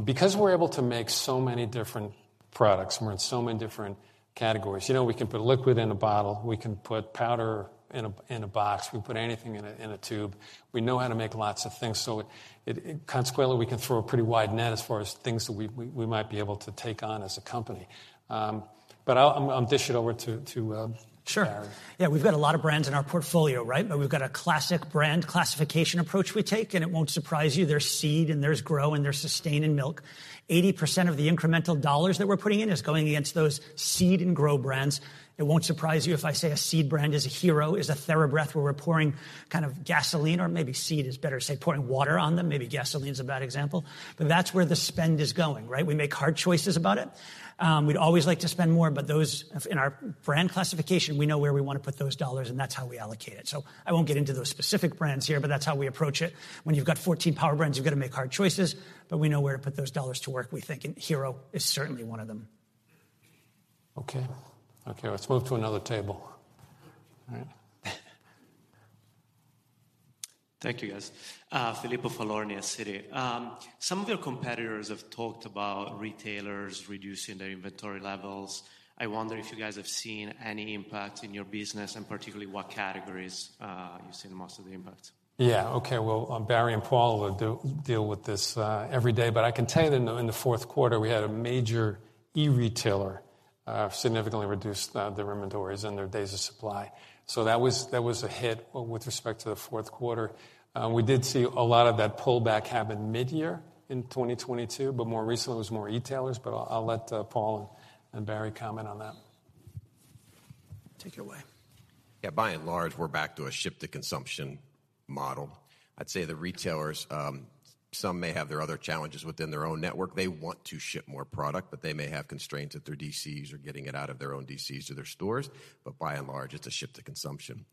Because we're able to make so many different products and we're in so many different categories, you know, we can put liquid in a bottle, we can put powder in a box, we put anything in a tube. We know how to make lots of things, so consequently, we can throw a pretty wide net as far as things that we might be able to take on as a company. I'll dish it over to Barry. Sure. Yeah, we've got a lot of brands in our portfolio, right? We've got a classic brand classification approach we take, and it won't surprise you. There's seed, and there's grow, and there's sustain in milk. 80% of the incremental dollars that we're putting in is going against those seed and grow brands. It won't surprise you if I say a seed brand is a Hero, is a TheraBreath, where we're pouring kind of gasoline, or maybe seed is better to say, pouring water on them. Maybe gasoline is a bad example. That's where the spend is going, right? We make hard choices about it. We'd always like to spend more, but those in our brand classification, we know where we wanna put those dollars, and that's how we allocate it. I won't get into those specific brands here, but that's how we approach it. When you've got 14 power brands, you've got to make hard choices, but we know where to put those dollars to work, we think, and Hero is certainly one of them. Okay. Okay, let's move to another table. All right. Thank you, guys. Filippo Falorni, Citi. Some of your competitors have talked about retailers reducing their inventory levels. I wonder if you guys have seen any impact in your business, and particularly what categories, you've seen most of the impact? Yeah. Okay. Well, Barry and Paul will deal with this every day. I can tell you that in the 4th quarter, we had a major e-retailer significantly reduce their inventories and their days of supply. That was a hit with respect to the 4th quarter. We did see a lot of that pullback happen mid-year in 2022, but more recently it was more e-tailers. I'll let Paul and Barry comment on that. Take it away. Yeah. By and large, we're back to a ship-to-consumption model. I'd say the retailers, some may have their other challenges within their own network. They want to ship more product, but they may have constraints at their DCs or getting it out of their own DCs to their stores. By and large, it's a ship to consumption.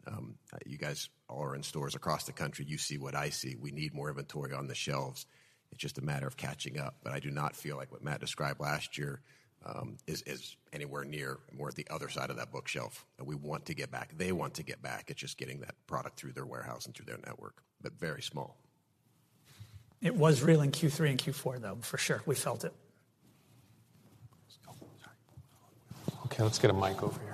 You guys all are in stores across the country. You see what I see. We need more inventory on the shelves. It's just a matter of catching up. I do not feel like what Matt described last year, is anywhere near, and we're at the other side of that bookshelf, and we want to get back. They want to get back. It's just getting that product through their warehouse and through their network. Very small. It was real in Q3 and Q4, though, for sure. We felt it. Okay, let's get a mic over here.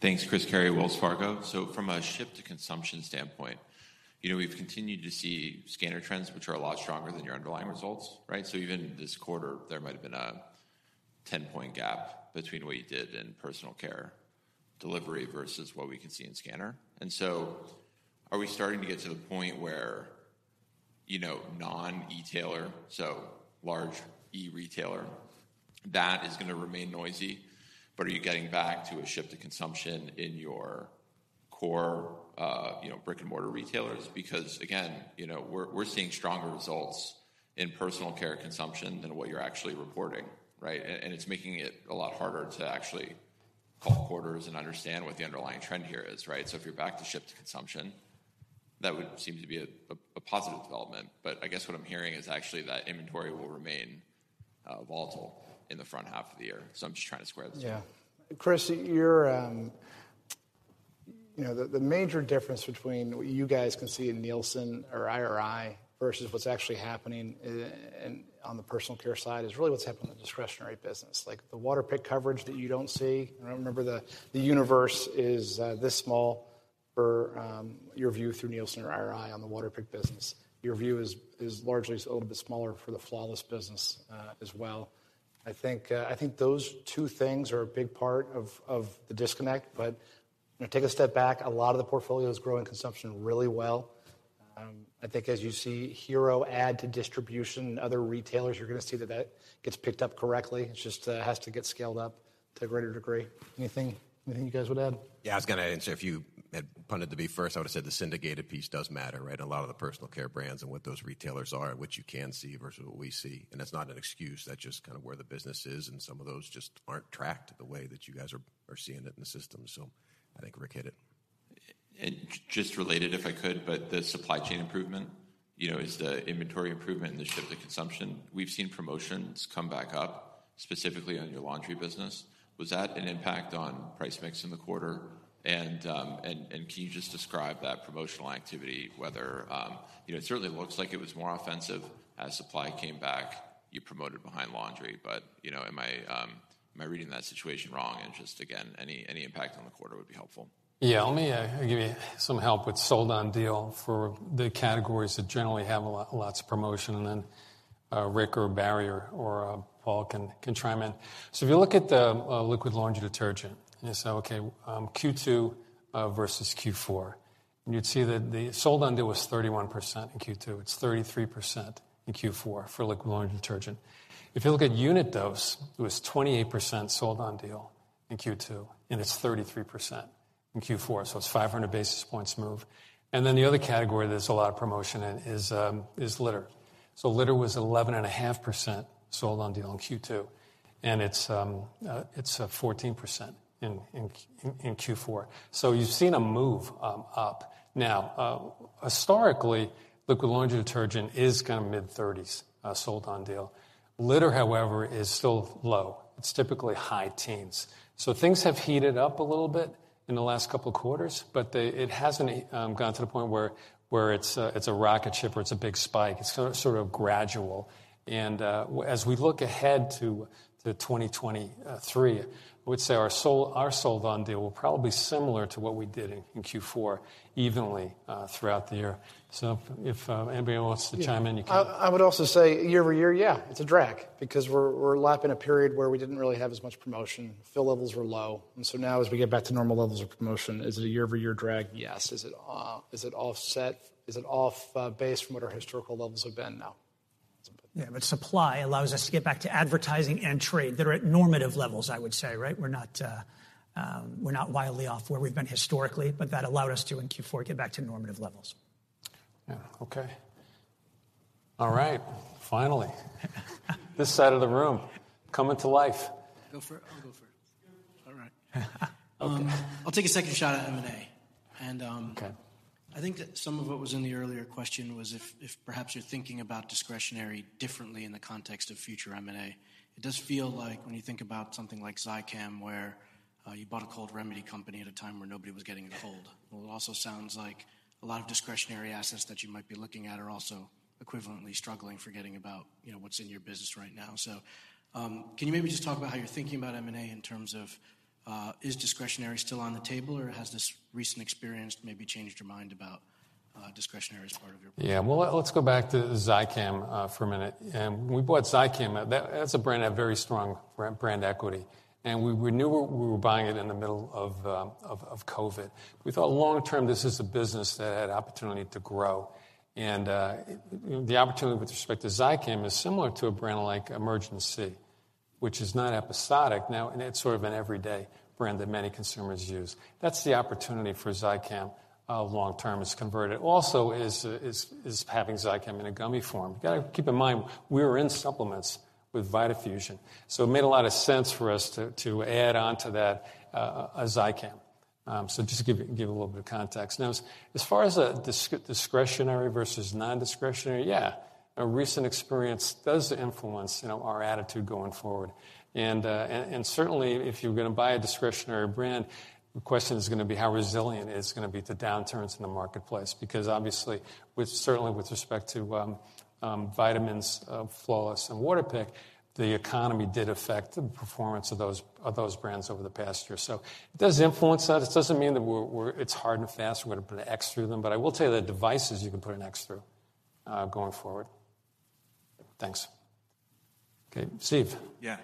Thanks. Chris Carey, Wells Fargo. From a ship-to-consumption standpoint, you know, we've continued to see scanner trends which are a lot stronger than your underlying results, right? Even this quarter, there might have been a 10-point gap between what you did in personal care delivery versus what we can see in scanner. Are we starting to get to the point where, you know, non-e-tailer, so large e-retailer, that is gonna remain noisy, but are you getting back to a ship-to-consumption in your core, you know, brick-and-mortar retailers? Again, you know, we're seeing stronger results in personal care consumption than what you're actually reporting, right? It's making it a lot harder to actually call quarters and understand what the underlying trend here is, right? If you're back to ship to consumption, that would seem to be a positive development. I guess what I'm hearing is actually that inventory will remain volatile in the front half of the year. I'm just trying to square the circle. Chris, you're, you know, the major difference between what you guys can see in Nielsen or IRI versus what's actually happening in, on the personal care side is really what's happening in the discretionary business. Like, the Waterpik coverage that you don't see, and I remember the universe is, this small for, your view through Nielsen or IRI on the Waterpik business. Your view is largely just a little bit smaller for the Flawless business, as well. I think, I think those two things are a big part of the disconnect. You know, take a step back, a lot of the portfolio is growing consumption really well. I think as you see Hero add to distribution and other retailers, you're gonna see that gets picked up correctly. It just has to get scaled up to a greater degree. Anything you guys would add? Yeah, I was gonna answer. If you had punted to me first, I would've said the syndicated piece does matter, right? A lot of the personal care brands and what those retailers are, and what you can see versus what we see. That's not an excuse. That's just kind of where the business is, and some of those just aren't tracked the way that you guys are seeing it in the system. I think Rick hit it. Just related if I could, but the supply chain improvement, you know, is the inventory improvement in the ship to consumption. We've seen promotions come back up, specifically on your laundry business. Was that an impact on price mix in the quarter? Can you just describe that promotional activity, whether, you know, it certainly looks like it was more offensive as supply came back, you promoted behind laundry? You know, am I reading that situation wrong? Just again, any impact on the quarter would be helpful. Yeah. Let me give you some help with sold on deal for the categories that generally have a lot, lots of promotion and then Rick or Barry or Paul can chime in. If you look at the liquid laundry detergent, and you say, okay, Q2 versus Q4, and you'd see that the sold on deal was 31% in Q2. It's 33% in Q4 for liquid laundry detergent. If you look at unit dose, it was 28% sold on deal in Q2, and it's 33% in Q4, so it's 500 basis points move. The other category there's a lot of promotion in is litter. Litter was 11.5% sold on deal in Q2, and it's 14% in Q4. You've seen a move up. Now, historically, liquid laundry detergent is kind of mid-thirties sold on deal. Litter, however, is still low. It's typically high teens. Things have heated up a little bit in the last couple of quarters, but it hasn't gone to the point where it's a rocket ship or it's a big spike. It's sort of gradual. As we look ahead to 2023, I would say our sold on deal will probably be similar to what we did in Q4 evenly throughout the year. If anybody wants to chime in, you can. Yeah. I would also say year-over-year, yeah, it's a drag because we're lapping a period where we didn't really have as much promotion. Fill levels were low. Now as we get back to normal levels of promotion, is it a year-over-year drag? Yes. Is it, is it offset? Is it off base from what our historical levels have been? No. Yeah. supply allows us to get back to advertising and trade that are at normative levels, I would say, right? We're not wildly off where we've been historically, but that allowed us to, in Q4, get back to normative levels. Yeah. Okay. All right. Finally. This side of the room coming to life. Go for it. I'll go for it. All right. Okay. I'll take a second shot at M&A. Okay. I think that some of what was in the earlier question was if perhaps you're thinking about discretionary differently in the context of future M&A. It does feel like when you think about something like Zicam, where you bought a cold remedy company at a time where nobody was getting a cold. Well, it also sounds like a lot of discretionary assets that you might be looking at are also equivalently struggling, forgetting about, you know, what's in your business right now. Can you maybe just talk about how you're thinking about M&A in terms of is discretionary still on the table, or has this recent experience maybe changed your mind about discretionary as part of your plan? Yeah. Well, let's go back to Zicam for a minute. When we bought Zicam, that's a brand that had very strong brand equity. We knew we were buying it in the middle of COVID. We thought long-term, this is a business that had opportunity to grow. The opportunity with respect to Zicam is similar to a brand like Emergen-C, which is not episodic now, and it's sort of an everyday brand that many consumers use. That's the opportunity for Zicam, long term is converted. Also is having Zicam in a gummy form. You gotta keep in mind, we were in supplements with Vitafusion. It made a lot of sense for us to add on to that Zicam. Just to give you a little bit of context. Now, as far as a discretionary versus non-discretionary, yeah, a recent experience does influence, you know, our attitude going forward. Certainly, if you're gonna buy a discretionary brand, the question is gonna be how resilient it's gonna be to downturns in the marketplace. Obviously, with certainly with respect to vitamins, Floss and Waterpik, the economy did affect the performance of those brands over the past year. It does influence that. It doesn't mean that it's hard and fast, we're gonna put an X through them. I will tell you that devices, you can put an X through going forward. Thanks. Okay, Steve. Yeah.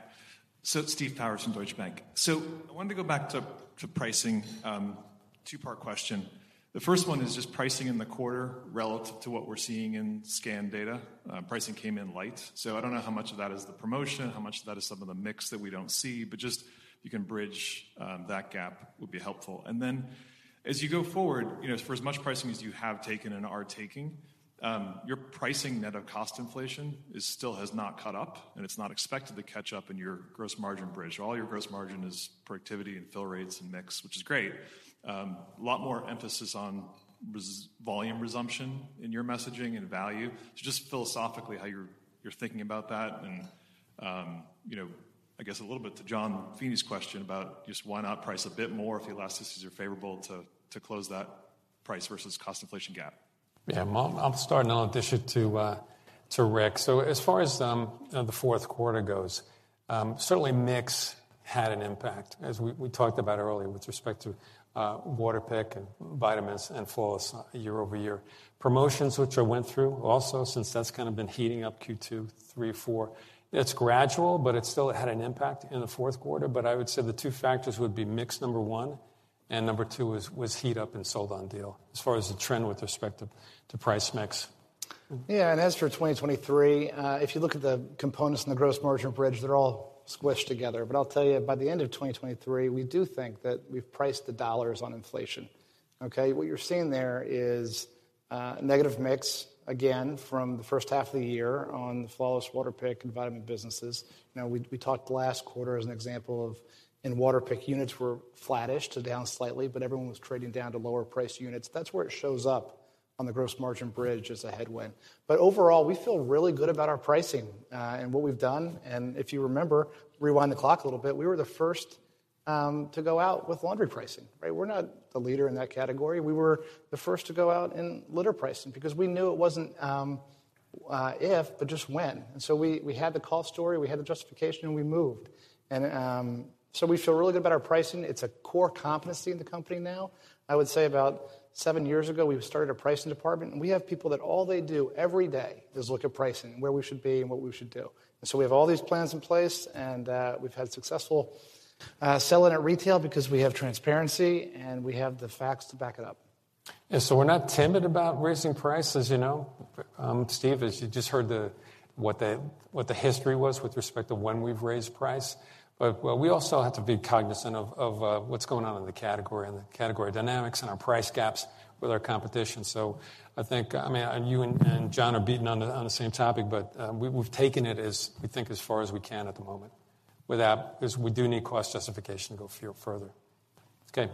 Steve Powers from Deutsche Bank. I wanted to go back to pricing. Two-part question. The first one is just pricing in the quarter relative to what we're seeing in scan data. Pricing came in light. I don't know how much of that is the promotion, how much of that is some of the mix that we don't see, but just if you can bridge that gap would be helpful. As you go forward, you know, for as much pricing as you have taken and are taking, your pricing net of cost inflation is still has not caught up, and it's not expected to catch up in your gross margin bridge. All your gross margin is productivity and fill rates and mix, which is great. A lot more emphasis on volume resumption in your messaging and value. Just philosophically, how you're thinking about that and, you know, I guess a little bit to Jonathan Feeney's question about just why not price a bit more if the elasticities are favorable to close that price versus cost inflation gap. Well, I'll start, and I'll dish it to Rick. As far as the fourth quarter goes, certainly mix had an impact, as we talked about earlier with respect to Waterpik and vitamins and floss year-over-year. Promotions, which I went through also, since that's kind of been heating up Q2, 3, 4. It's gradual, but it still had an impact in the fourth quarter. I would say the 2 factors would be mix, number 1, and number 2 was heat up and sold on deal as far as the trend with respect to price mix. Yeah. As for 2023, if you look at the components in the gross margin bridge, they're all squished together. I'll tell you, by the end of 2023, we do think that we've priced the dollars on inflation, okay. What you're seeing there is negative mix, again from the first half of the year on the Flawless Waterpik and Vitamin businesses. Now, we talked last quarter as an example of in Waterpik units were flattish to down slightly, but everyone was trading down to lower price units. That's where it shows up on the gross margin bridge as a headwind. Overall, we feel really good about our pricing, and what we've done. If you remember, rewind the clock a little bit, we were the first to go out with laundry pricing, right? We're not the leader in that category. We were the first to go out in litter pricing because we knew it wasn't if, but just when. We had the call story, we had the justification, and we moved. We feel really good about our pricing. It's a core competency in the company now. I would say about seven years ago, we started a pricing department, and we have people that all they do every day is look at pricing and where we should be and what we should do. We have all these plans in place, we've had successful selling at retail because we have transparency, and we have the facts to back it up. We're not timid about raising prices, you know, Steve, as you just heard what the history was with respect to when we've raised price. Well, we also have to be cognizant of what's going on in the category and the category dynamics and our price gaps with our competition. I think, I mean, you and John are beating on the same topic, we've taken it as we think as far as we can at the moment. Without this, we do need cost justification to go further. Okay.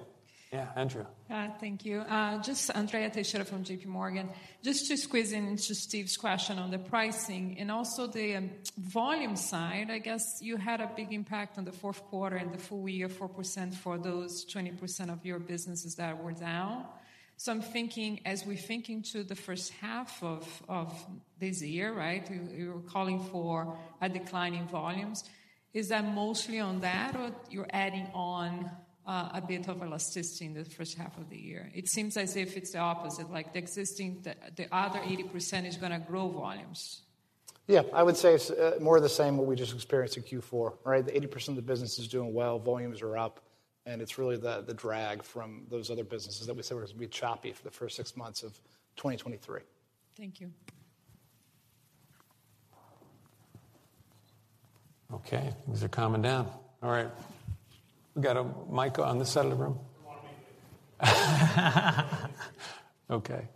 Yeah, Andrea. Yeah. Thank you. Just Andrea Teixeira from JPMorgan. Just to squeeze into Steve's question on the pricing and also the volume side, I guess you had a big impact on the fourth quarter and the full year, 4% for those 20% of your businesses that were down. I'm thinking as we think into the first half of this year, right? You're calling for a decline in volumes. Is that mostly on that or you're adding on a bit of elasticity in the first half of the year? It seems as if it's the opposite, like the other 80% is gonna grow volumes. Yeah. I would say it's more of the same what we just experienced in Q4, right? The 80% of the business is doing well, volumes are up, it's really the drag from those other businesses that we said was bit choppy for the first six months of 2023. Thank you. Okay. Things are calming down. All right. We got a mic on this side of the room. Okay.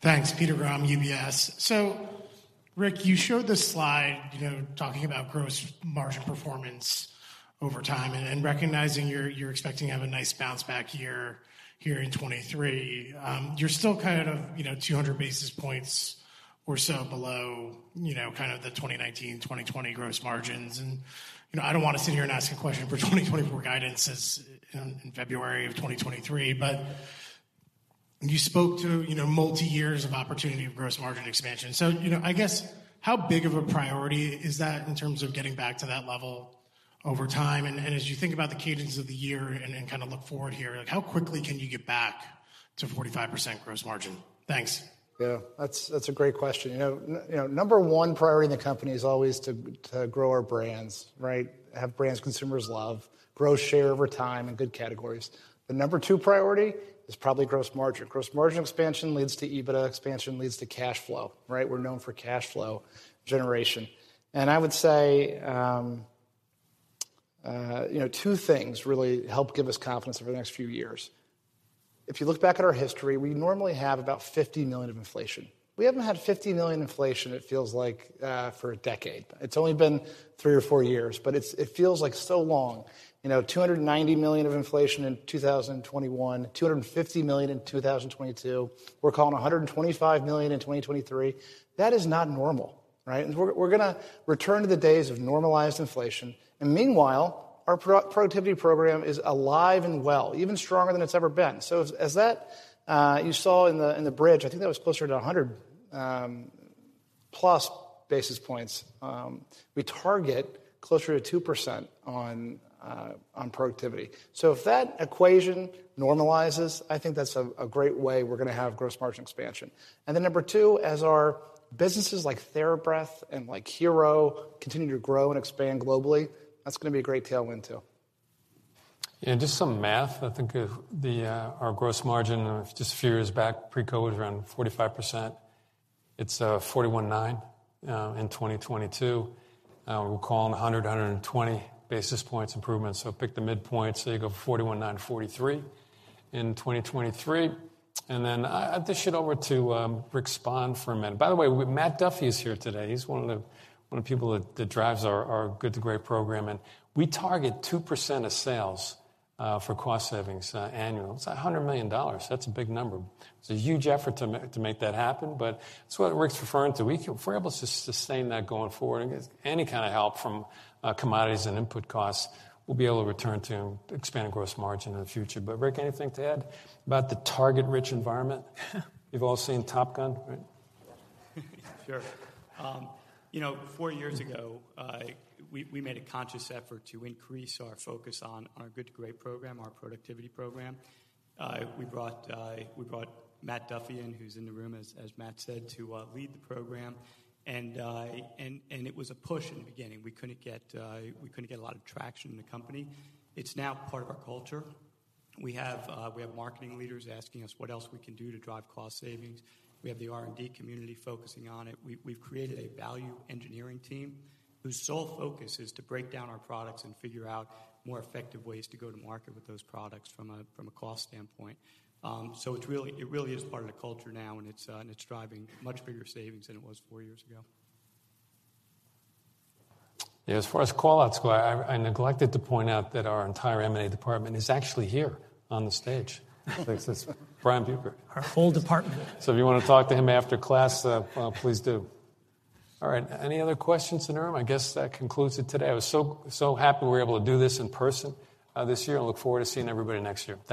Thanks. Peter Grom, UBS. Rick, you showed this slide, you know, talking about gross margin performance over time and recognizing you're expecting to have a nice bounce-back year here in 23. You're still kind of, you know, 200 basis points or so below, you know, kind of the 2019-2020 gross margins. You know, I don't wanna sit here and ask a question for 2024 guidance in February of 2023. You spoke to, you know, multiyears of opportunity of gross margin expansion. You know, I guess how big of a priority is that in terms of getting back to that level over time? As you think about the cadence of the year and kind of look forward here, like, how quickly can you get back to 45% gross margin? Thanks. Yeah. That's a great question. You know, number 1 priority in the company is always to grow our brands, right? Have brands consumers love, grow share over time in good categories. The number 2 priority is probably gross margin. Gross margin expansion leads to EBITDA expansion, leads to cash flow, right? We're known for cash flow generation. I would say, you know, 2 things really help give us confidence over the next few years. If you look back at our history, we normally have about $50 million of inflation. We haven't had $50 million inflation, it feels like, for a decade. It's only been 3 or 4 years, but it feels like so long. You know, $290 million of inflation in 2021, $250 million in 2022. We're calling $125 million in 2023. That is not normal, right? We're gonna return to the days of normalized inflation. Meanwhile, our productivity program is alive and well, even stronger than it's ever been. As that, you saw in the bridge, I think that was closer to 100 plus basis points. We target closer to 2% on productivity. If that equation normalizes, I think that's a great way we're gonna have gross margin expansion. Number two, as our businesses like TheraBreath and like Hero continue to grow and expand globally, that's gonna be a great tailwind too. Just some math. I think of the our gross margin of just few years back, pre-COVID was around 45%. It's 41.9% in 2022. We're calling 100-120 basis points improvement. Pick the midpoint. You go 41.9%-43% in 2023. Then I'll dish it over to Rick Spann for a minute. By the way, Matthew Duffy is here today. He's one of the people that drives our Good to Great program. We target 2% of sales for cost savings annually. It's $100 million. That's a big number. It's a huge effort to make that happen, but it's what Rick's referring to. If we're able to sustain that going forward and get any kind of help from commodities and input costs, we'll be able to return to expanding gross margin in the future. Rick, anything to add about the target-rich environment? You've all seen Top Gun, right? Sure. You know, 4 years ago, we made a conscious effort to increase our focus on our Good to Great program, our productivity program. We brought Matthew Duffy in, who's in the room, as Matt said, to lead the program. It was a push in the beginning. We couldn't get a lot of traction in the company. It's now part of our culture. We have marketing leaders asking us what else we can do to drive cost savings. We have the R&D community focusing on it. We've created a value engineering team whose sole focus is to break down our products and figure out more effective ways to go to market with those products from a cost standpoint. It really is part of the culture now, and it's, and it's driving much bigger savings than it was four years ago. Yeah. As far as call-outs go, I neglected to point out that our entire M&A department is actually here on the stage. Thanks. It's Brian Buchert. Our whole department. If you wanna talk to him after class, well, please do. All right, any other questions to? I guess that concludes it today. I was so happy we were able to do this in person, this year, and look forward to seeing everybody next year. Thank you.